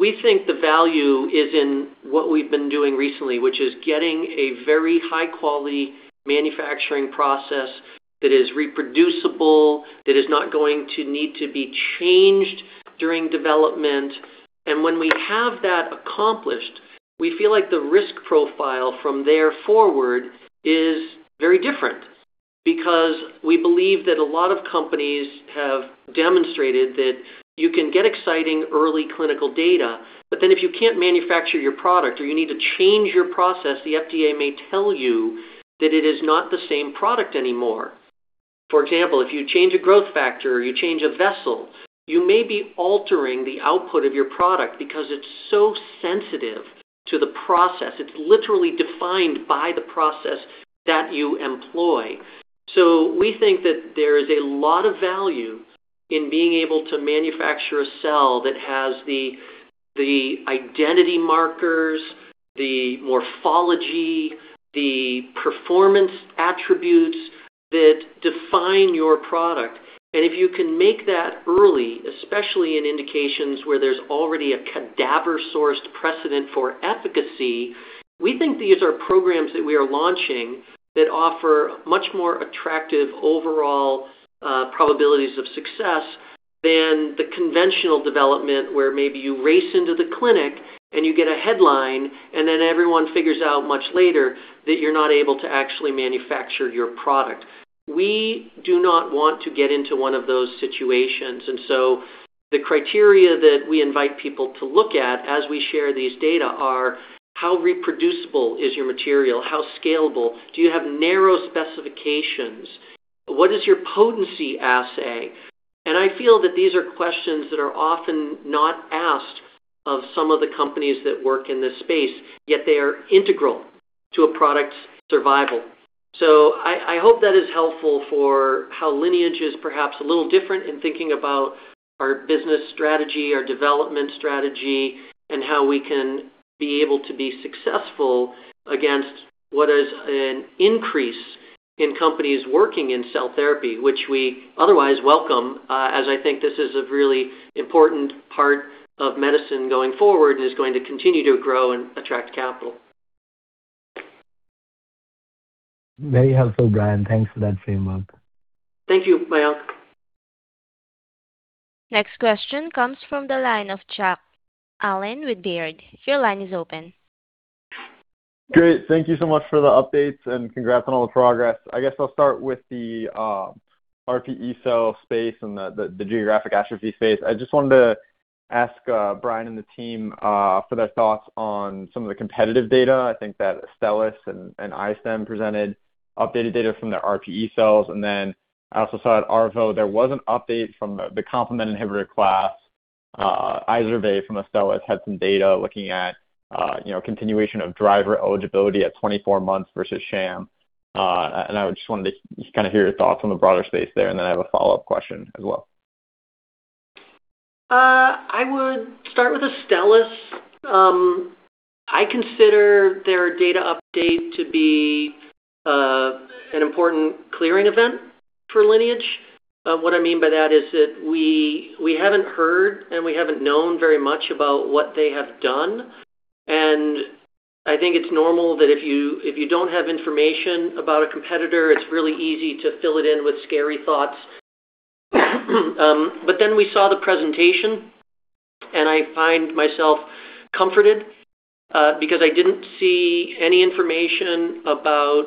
We think the value is in what we've been doing recently, which is getting a very high-quality manufacturing process that is reproducible, that is not going to need to be changed during development. When we have that accomplished, we feel like the risk profile from there forward is very different because we believe that a lot of companies have demonstrated that you can get exciting early clinical data, but if you can't manufacture your product or you need to change your process, the FDA may tell you that it is not the same product anymore. For example, if you change a growth factor or you change a vessel, you may be altering the output of your product because it's so sensitive to the process. It's literally defined by the process that you employ. We think that there is a lot of value in being able to manufacture a cell that has the identity markers, the morphology, the performance attributes that define your product. If you can make that early, especially in indications where there's already a cadaver-sourced precedent for efficacy, we think these are programs that we are launching that offer much more attractive overall probabilities of success than the conventional development, where maybe you race into the clinic and you get a headline, and then everyone figures out much later that you're not able to actually manufacture your product. We do not want to get into one of those situations. The criteria that we invite people to look at as we share these data are, how reproducible is your material? How scalable? Do you have narrow specifications? What is your potency assay? I feel that these are questions that are often not asked of some of the companies that work in this space, yet they are integral to a product's survival. I hope that is helpful for how Lineage is perhaps a little different in thinking about our business strategy, our development strategy, and how we can be able to be successful against what is an increase in companies working in cell therapy, which we otherwise welcome, as I think this is a really important part of medicine going forward and is going to continue to grow and attract capital. Very helpful, Brian. Thanks for that framework. Thank you, Mayank. Next question comes from the line of Jack Allen with Baird. Your line is open. Great. Thank you so much for the updates, and congrats on all the progress. I guess I'll start with the RPE cell space and the geographic atrophy space. I just wanted to ask Brian and the team for their thoughts on some of the competitive data. I think that Astellas and I-Stem presented updated data from their RPE cells, then I also saw at ARVO there was an update from the complement inhibitor class. IZERVAY from Astellas had some data looking at, you know, continuation of driver eligibility at 24 months versus sham. I just wanted to kind of hear your thoughts on the broader space there, then I have a follow-up question as well. I would start with Astellas. I consider their data update to be an important clearing event for Lineage. What I mean by that is that we haven't heard and we haven't known very much about what they have done, and I think it's normal that if you, if you don't have information about a competitor, it's really easy to fill it in with scary thoughts. Then we saw the presentation, and I find myself comforted because I didn't see any information about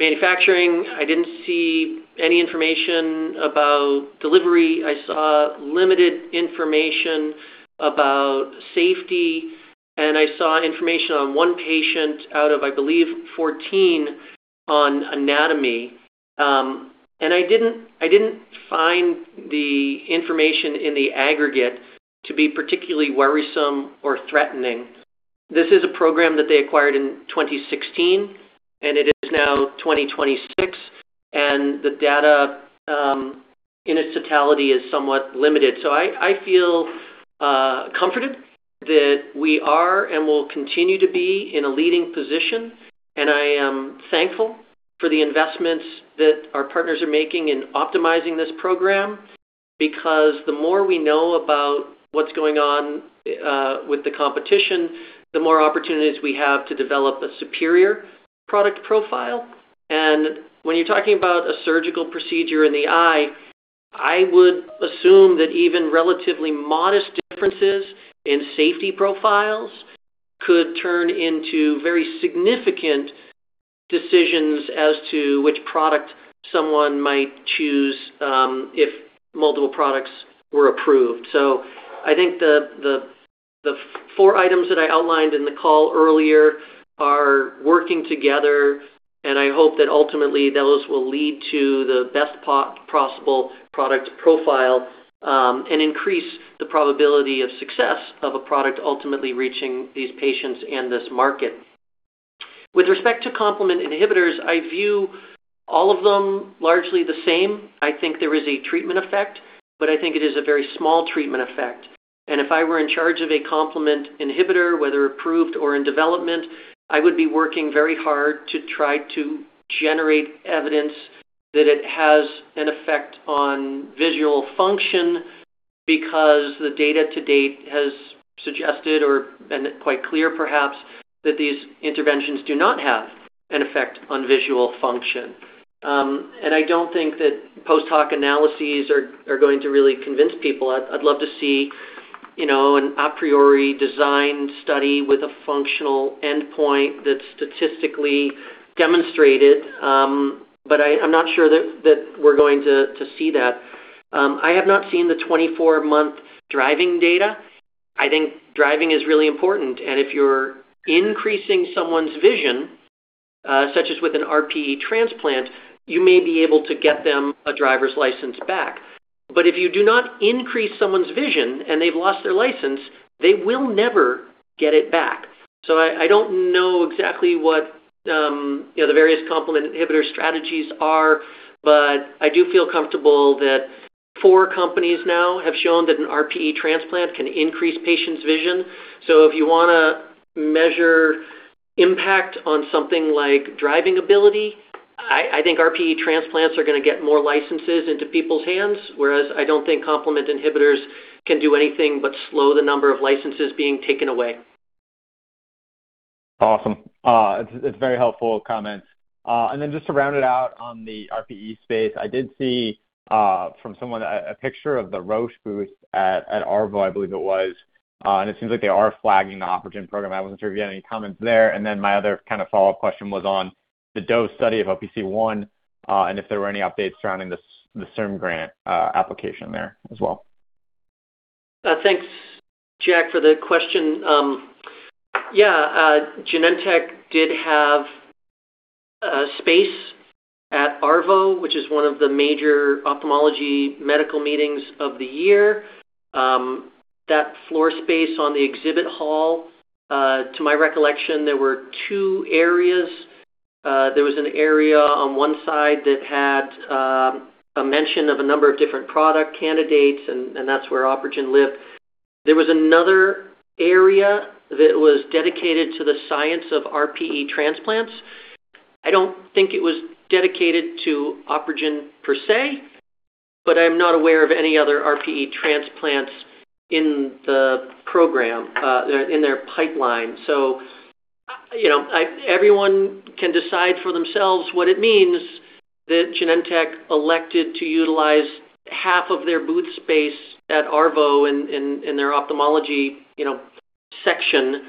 manufacturing. I didn't see any information about delivery. I saw limited information about safety, and I saw information on one patient out of, I believe, 14 on anatomy. I didn't find the information in the aggregate to be particularly worrisome or threatening. This is a program that they acquired in 2016, and it is now 2026, and the data, in its totality is somewhat limited. I feel comforted that we are and will continue to be in a leading position, and I am thankful for the investments that our partners are making in optimizing this program, because the more we know about what's going on with the competition, the more opportunities we have to develop a superior product profile. When you're talking about a surgical procedure in the eye, I would assume that even relatively modest differences in safety profiles could turn into very significant decisions as to which product someone might choose if multiple products were approved. I think the four items that I outlined in the call earlier are working together, and I hope that ultimately those will lead to the best possible product profile, and increase the probability of success of a product ultimately reaching these patients and this market. With respect to complement inhibitors, I view all of them largely the same. I think there is a treatment effect, but I think it is a very small treatment effect. If I were in charge of a complement inhibitor, whether approved or in development, I would be working very hard to try to generate evidence that it has an effect on visual function because the data to date has suggested or been quite clear perhaps that these interventions do not have an effect on visual function. I don't think that post hoc analyses are going to really convince people. I'd love to see, you know, an a priori design study with a functional endpoint that's statistically demonstrated, but I'm not sure that we're going to see that. I have not seen the 24-month driving data. I think driving is really important, and if you're increasing someone's vision, such as with an RPE transplant, you may be able to get them a driver's license back. But if you do not increase someone's vision and they've lost their license, they will never get it back. I don't know exactly what, you know, the various complement inhibitor strategies are, but I do feel comfortable that four companies now have shown that an RPE transplant can increase patients' vision. So, if you wanna measure impact on something like driving ability, I think RPE transplants are gonna get more licenses into people's hands, whereas I don't think complement inhibitors can do anything but slow the number of licenses being taken away. Awesome. It's a very helpful comment. Just to round it out on the RPE space, I did see from someone a picture of the Roche booth at ARVO, I believe it was, and it seems like they are flagging the OpRegen program. I wasn't sure if you had any comments there. My other kind of follow-up question was on the DOSED study of OPC1, and if there were any updates surrounding the CIRM grant application there as well. Thanks, Jack, for the question. Yeah, Genentech did have a space at ARVO, which is one of the major ophthalmology medical meetings of the year. That floor space on the exhibit hall, to my recollection, there were two areas. There was an area on one side that had a mention of a number of different product candidates, and that's where OpRegen lived. There was another area that was dedicated to the science of RPE transplants. I don't think it was dedicated to OpRegen per se, but I'm not aware of any other RPE transplants in the program, their, in their pipeline. You know, everyone can decide for themselves what it means that Genentech elected to utilize half of their booth space at ARVO in, in their ophthalmology, you know, section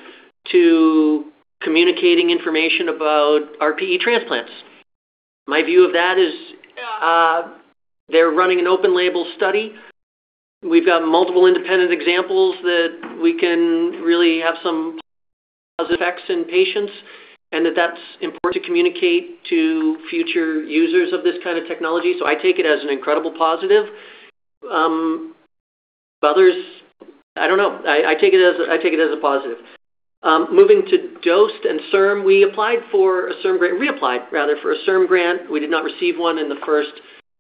to communicating information about RPE transplants. My view of that is, they're running an open label study. We've got multiple independent examples that we can really have some positive effects in patients, and that that's important to communicate to future users of this kind of technology, so I take it as an incredible positive. Others, I don't know. I take it as a positive. Moving to DOSED and CIRM, we applied for a CIRM grant, reapplied rather, for a CIRM grant. We did not receive one in the first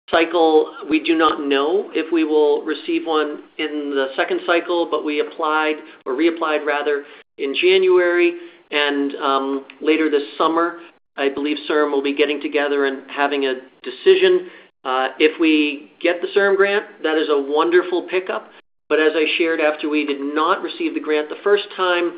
cycle. We do not know if we will receive one in the second cycle, but we applied or reapplied rather in January and, later this summer, I believe CIRM will be getting together and having a decision. If we get the CIRM grant, that is a wonderful pickup. But as I shared after we did not receive the grant the first time,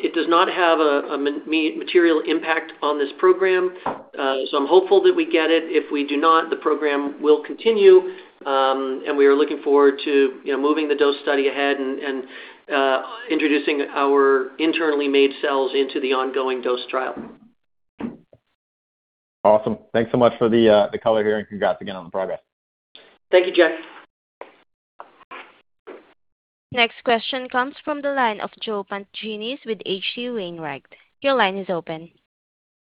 it does not have a material impact on this program. I'm hopeful that we get it. If we do not, the program will continue, and we are looking forward to, you know, moving the DOSED study ahead and introducing our internally made cells into the ongoing DOSED trial. Awesome. Thanks so much for the color here, and congrats again on the progress. Thank you, Jack. Next question comes from the line of Joe Pantginis with H.C. Wainwright. Your line is open.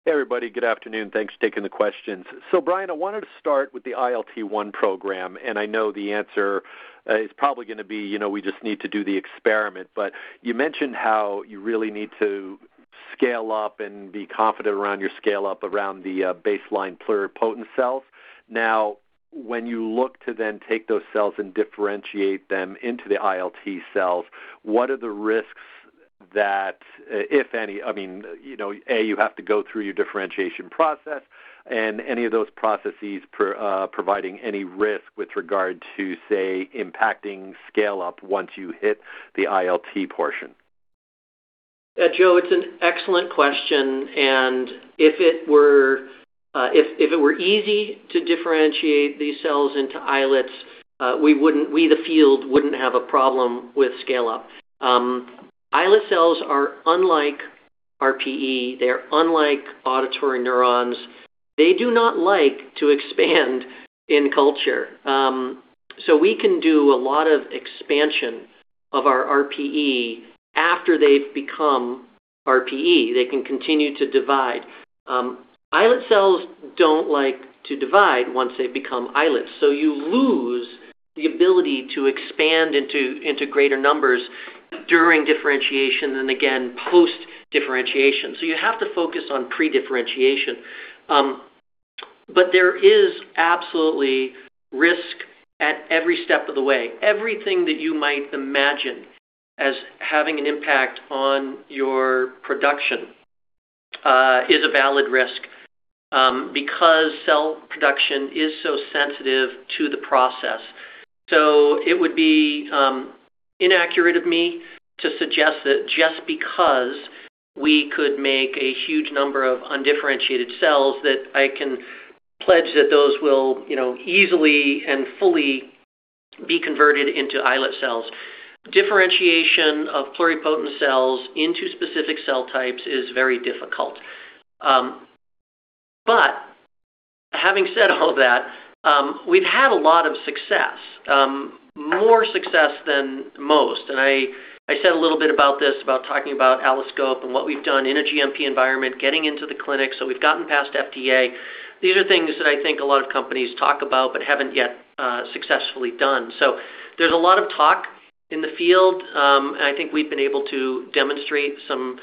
Hey, everybody. Good afternoon. Thanks for taking the questions. Brian, I wanted to start with the ILT1 program, and I know the answer is probably gonna be, you know, we just need to do the experiment, but you mentioned how you really need to scale up and be confident around your scale-up around the baseline pluripotent cells. Now, when you look to then take those cells and differentiate them into the ILT cells, what are the risks that, if any, I mean, you know, A, you have to go through your differentiation process and any of those processes providing any risk with regard to, say, impacting scale-up once you hit the ILT portion? Joe, it's an excellent question, and if it were easy to differentiate these cells into islets, we, the field, wouldn't have a problem with scale-up. Islet cells are unlike RPE. They're unlike auditory neurons. They do not like to expand in culture. We can do a lot of expansion of our RPE after they've become RPE. They can continue to divide. Islet cells don't like to divide once they become islets, so you lose the ability to expand into greater numbers during differentiation and again post-differentiation. You have to focus on pre-differentiation. There is absolutely risk at every step of the way. Everything that you might imagine as having an impact on your production is a valid risk because cell production is so sensitive to the process. It would be inaccurate of me to suggest that just because we could make a huge number of undifferentiated cells that I can pledge that those will, you know, easily and fully be converted into islet cells. Differentiation of pluripotent cells into specific cell types is very difficult. But having said all that, we've had a lot of success, more success than most. I said a little bit about this, about talking about AlloSCOPE and what we've done in a GMP environment, getting into the clinic, so we've gotten past FDA. These are things that I think a lot of companies talk about but haven't yet successfully done. There's a lot of talk in the field; I think we've been able to demonstrate some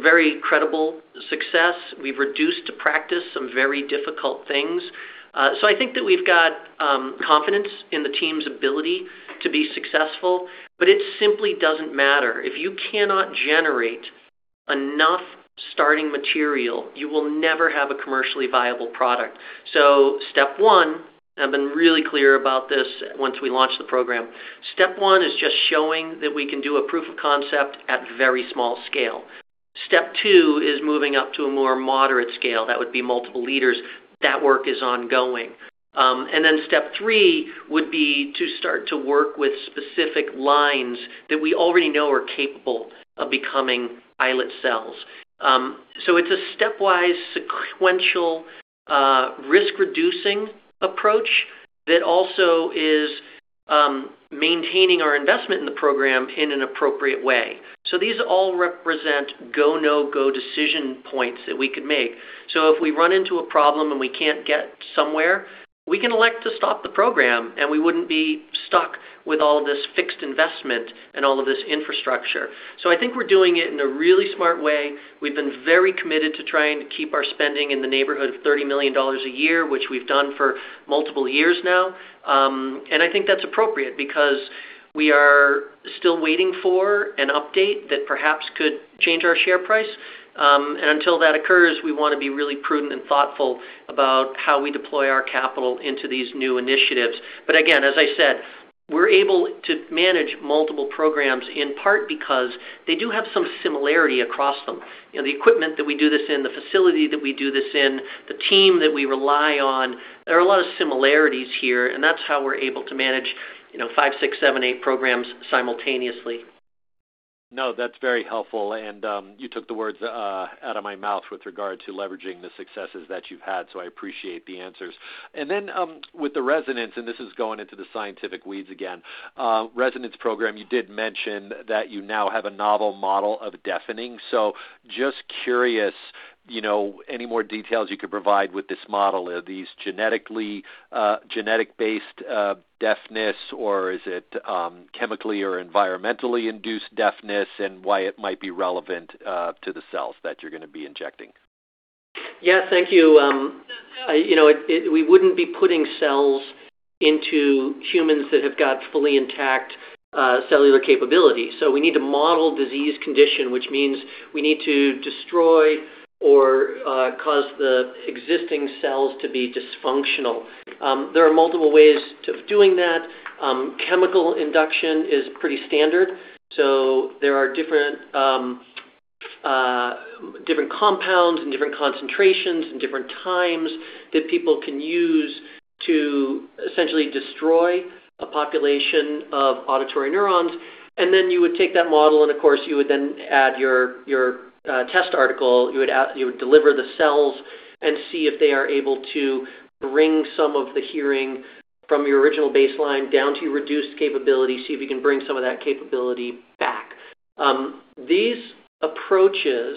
very credible success. We've reduced to practice some very difficult things. I think that we've got confidence in the team's ability to be successful, but it simply doesn't matter. If you cannot generate enough starting material, you will never have a commercially viable product. So, step one, and I've been really clear about this once we launched the program, step one is just showing that we can do a proof of concept at very small scale. Step two is moving up to a more moderate scale, that would be multiple liters. That work is ongoing. Step three would be to start to work with specific lines that we already know are capable of becoming islet cells. It's a stepwise, sequential, risk-reducing approach that also is maintaining our investment in the program in an appropriate way. These all represent go, no-go decision points that we could make. If we run into a problem, and we can't get somewhere, we can elect to stop the program, and we wouldn't be stuck with all this fixed investment and all of this infrastructure. I think we're doing it in a really smart way. We've been very committed to trying to keep our spending in the neighborhood of $30 million a year, which we've done for multiple years now. And I think that's appropriate because we are still waiting for an update that perhaps could change our share price. And until that occurs, we wanna be really prudent and thoughtful about how we deploy our capital into these new initiatives. Again, as I said, we're able to manage multiple programs in part because they do have some similarity across them. You know, the equipment that we do this in, the facility that we do this in, the team that we rely on, there are a lot of similarities here, and that's how we're able to manage, you know, five, six, seven, eight programs simultaneously. No, that's very helpful, and you took the words out of my mouth with regard to leveraging the successes that you've had, so I appreciate the answers. Then, with the ReSonance, and this is going into the scientific weeds again, ReSonance program, you did mention that you now have a novel model of deafening. Just curious, you know, any more details you could provide with this model. Are these genetically, genetic-based deafness, or is it chemically or environmentally induced deafness and why it might be relevant to the cells that you're gonna be injecting? Yeah. Thank you. You know, we wouldn't be putting cells into humans that have got fully intact cellular capability, so we need to model disease condition, which means we need to destroy or cause the existing cells to be dysfunctional. There are multiple ways to doing that. Chemical induction is pretty standard, so there are different compounds and different concentrations and different times that people can use to essentially destroy a population of auditory neurons. Then you would take that model and, of course, you would then add your test article, you would deliver the cells and see if they are able to bring some of the hearing from your original baseline down to reduced capability, see if you can bring some of that capability back. These approaches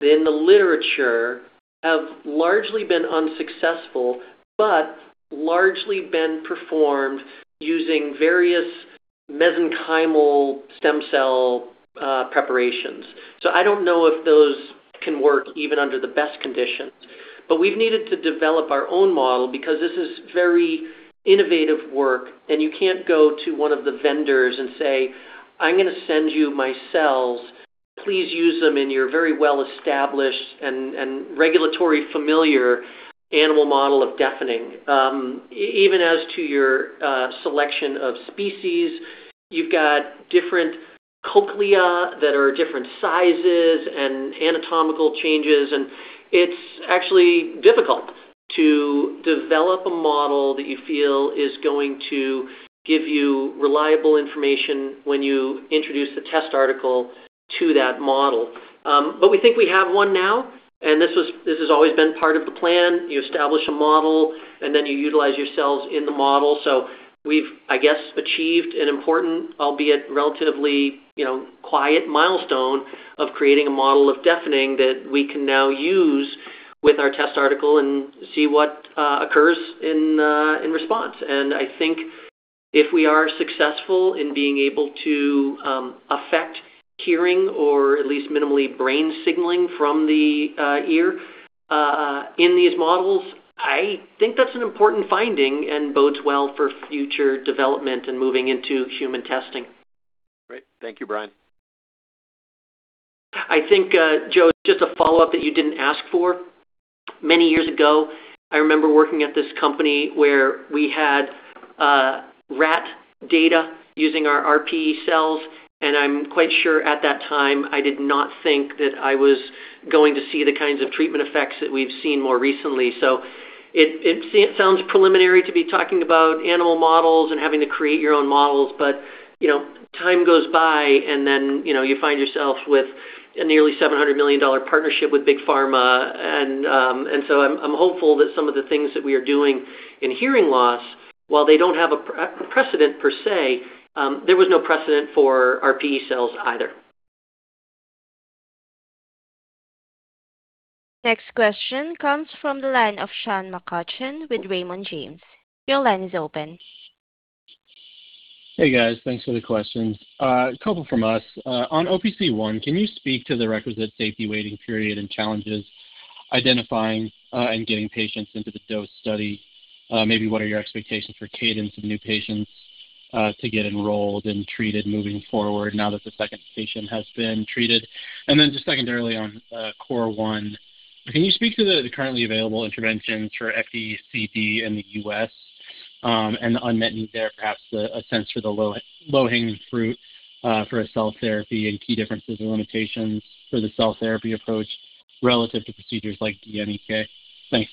in the literature have largely been unsuccessful but largely been performed using various mesenchymal stem cell preparations. I don't know if those can work even under the best conditions, but we've needed to develop our own model because this is very innovative work, and you can't go to one of the vendors and say, "I'm gonna send you my cells. Please use them in your very well-established and regulatory familiar animal model of deafening." Even as to your selection of species, you've got different cochlea that are different sizes and anatomical changes, and it's actually difficult to develop a model that you feel is going to give you reliable information when you introduce the test article to that model. We think we have one now, and this has always been part of the plan. You establish a model, and then you utilize your cells in the model. We've, I guess, achieved an important, albeit relatively, you know, quiet milestone of creating a model of deafening that we can now use with our test article and see what occurs in response. I think if we are successful in being able to affect hearing or at least minimally brain signaling from the ear in these models, I think that's an important finding and bodes well for future development and moving into human testing. Great. Thank you, Brian. I think, Joe, just a follow-up that you didn't ask for. Many years ago, I remember working at this company where we had rat data using our RPE cells, and I'm quite sure at that time I did not think that I was going to see the kinds of treatment effects that we've seen more recently. It sounds preliminary to be talking about animal models and having to create your own models, but, you know, time goes by and then, you know, you find yourself with a nearly $700 million partnership with big pharma. So, I'm hopeful that some of the things that we are doing in hearing loss, while they don't have a precedent per se, there was no precedent for RPE cells either. Next question comes from the line of Sean McCutcheon with Raymond James. Your line is open. Hey, guys. Thanks for the questions. A couple from us. On OPC1, can you speak to the requisite safety waiting period and challenges identifying and getting patients into the DOSED study? Maybe what are your expectations for cadence of new patients to get enrolled and treated moving forward now that the second patient has been treated? Then just secondarily on COR1, can you speak to the currently available interventions for FECD in the U.S. and the unmet need there, perhaps a sense for the low-hanging fruit for a cell therapy and key differences or limitations for the cell therapy approach relative to procedures like DMEK? Thanks.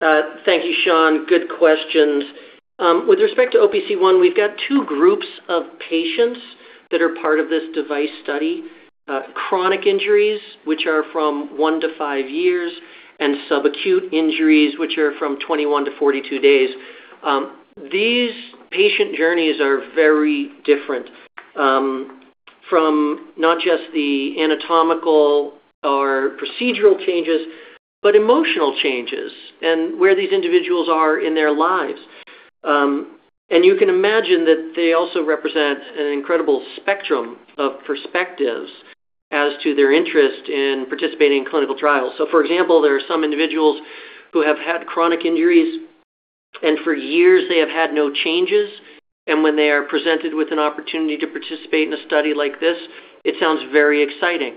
Thank you, Sean. Good questions. With respect to OPC1, we've got two groups of patients that are part of this device study. Chronic injuries, which are from one to five years, and subacute injuries, which are from 21 to 42 days. These patient journeys are very different from not just the anatomical or procedural changes, but emotional changes and where these individuals are in their lives. You can imagine that they also represent an incredible spectrum of perspectives as to their interest in participating in clinical trials. For example, there are some individuals who have had chronic injuries, and for years they have had no changes, and when they are presented with an opportunity to participate in a study like this, it sounds very exciting.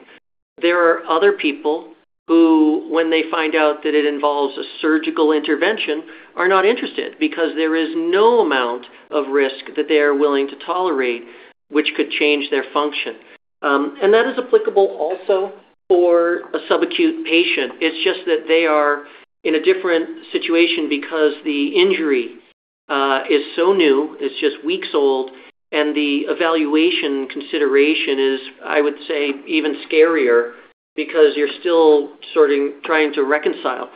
There are other people who, when they find out that it involves a surgical intervention, are not interested because there is no amount of risk that they are willing to tolerate which could change their function. That is applicable also for a subacute patient. It's just that they are in a different situation because the injury is so new, it's just weeks old, and the evaluation consideration is, I would say, even scarier because you're still sort of trying to reconcile.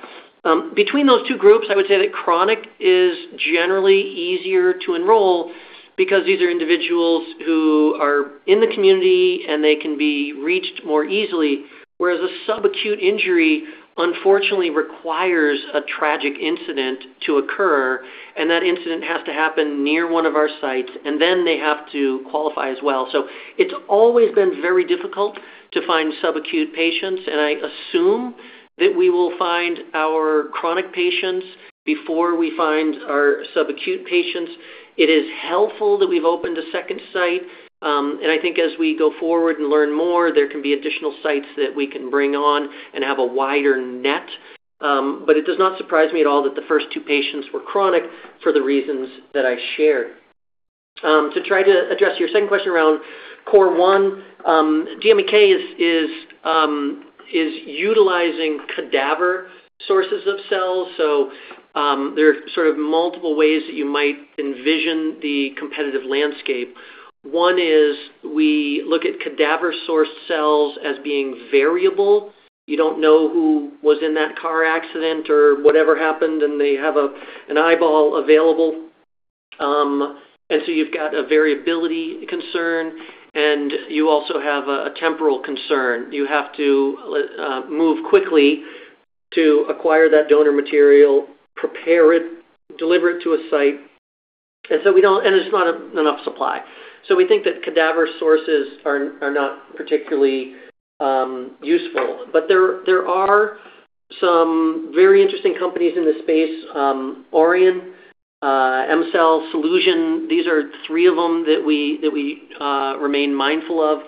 Between those two groups, I would say that chronic is generally easier to enroll because these are individuals who are in the community, and they can be reached more easily, whereas a subacute injury unfortunately requires a tragic incident to occur, and that incident has to happen near one of our sites, and then they have to qualify as well. It's always been very difficult to find subacute patients, and I assume that we will find our chronic patients before we find our subacute patients. It is helpful that we've opened a second site, and I think as we go forward and learn more, there can be additional sites that we can bring on and have a wider net. It does not surprise me at all that the first two patients were chronic for the reasons that I shared. To try to address your second question around COR1, DMEK is utilizing cadaver sources of cells. There are sort of multiple ways that you might envision the competitive landscape. One is we look at cadaver-sourced cells as being variable. You don't know who was in that car accident or whatever happened, and they have a, an eyeball available. You've got a variability concern, and you also have a temporal concern. You have to move quickly to acquire that donor material, prepare it, deliver it to a site. There's not enough supply. We think that cadaver sources are not particularly useful. But there are some very interesting companies in this space. Aurion, Emmecell, Cellusion, these are three of them that we remain mindful of.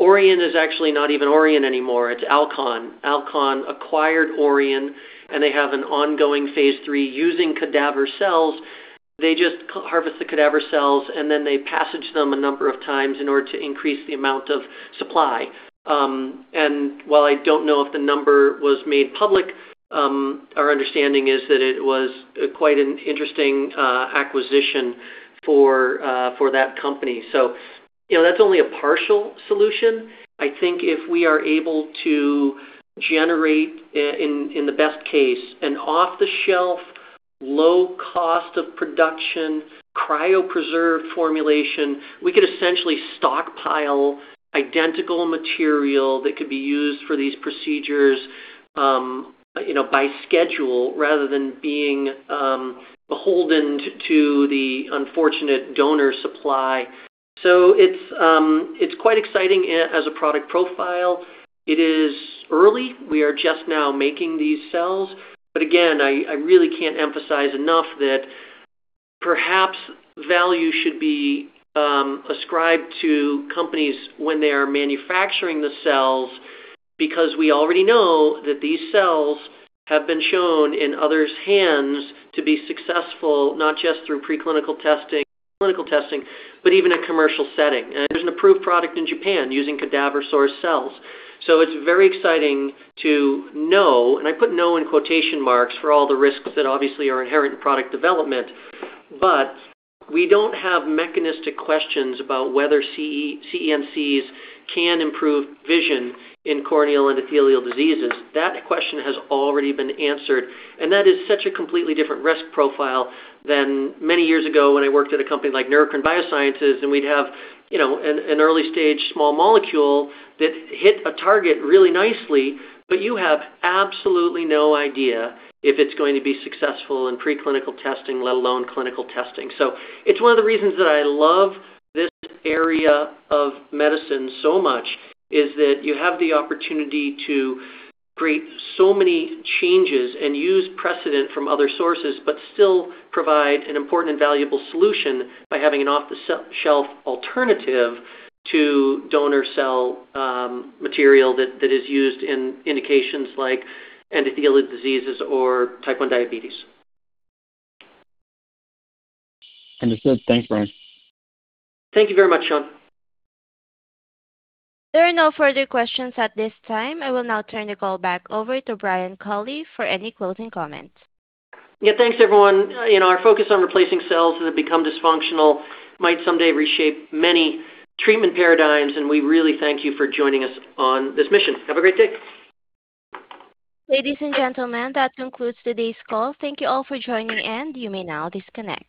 Aurion is actually not even Aurion anymore, it's Alcon. Alcon acquired Aurion, and they have an ongoing phase III using cadaver cells. They just harvest the cadaver cells, and then they passage them a number of times in order to increase the amount of supply. While I don't know if the number was made public, our understanding is that it was quite an interesting acquisition for that company. You know, that's only a partial solution. I think if we are able to generate in the best case, an off-the-shelf, low cost of production, cryo-preserved formulation, we could essentially stockpile identical material that could be used for these procedures, you know, by schedule rather than being beholden to the unfortunate donor supply. It's quite exciting as a product profile. It is early. We are just now making these cells. Again, I really can't emphasize enough that perhaps value should be ascribed to companies when they are manufacturing the cells because we already know that these cells have been shown in others' hands to be successful, not just through preclinical testing and clinical testing, but even in commercial setting. There's an approved product in Japan using cadaver-sourced cells. It's very exciting to know, and I put know in quotation marks for all the risks that obviously are inherent in product development, but we don't have mechanistic questions about whether CEnCs can improve vision in corneal endothelial diseases. That question has already been answered, and that is such a completely different risk profile than many years ago when I worked at a company like Neurocrine Biosciences, and we'd have, you know, an early-stage small molecule that hit a target really nicely, but you have absolutely no idea if it's going to be successful in preclinical testing, let alone clinical testing. It's one of the reasons that I love this area of medicine so much is that you have the opportunity to create so many changes and use precedent from other sources, but still provide an important and valuable solution by having an off-the-shelf alternative to donor cell material that is used in indications like endothelial diseases or type 1 diabetes. Understood. Thanks, Brian. Thank you very much, Sean. There are no further questions at this time. I will now turn the call back over to Brian Culley for any closing comments. Yeah. Thanks, everyone. You know, our focus on replacing cells that have become dysfunctional might someday reshape many treatment paradigms, and we really thank you for joining us on this mission. Have a great day. Ladies and gentlemen, that concludes today's call. Thank you all for joining, and you may now disconnect.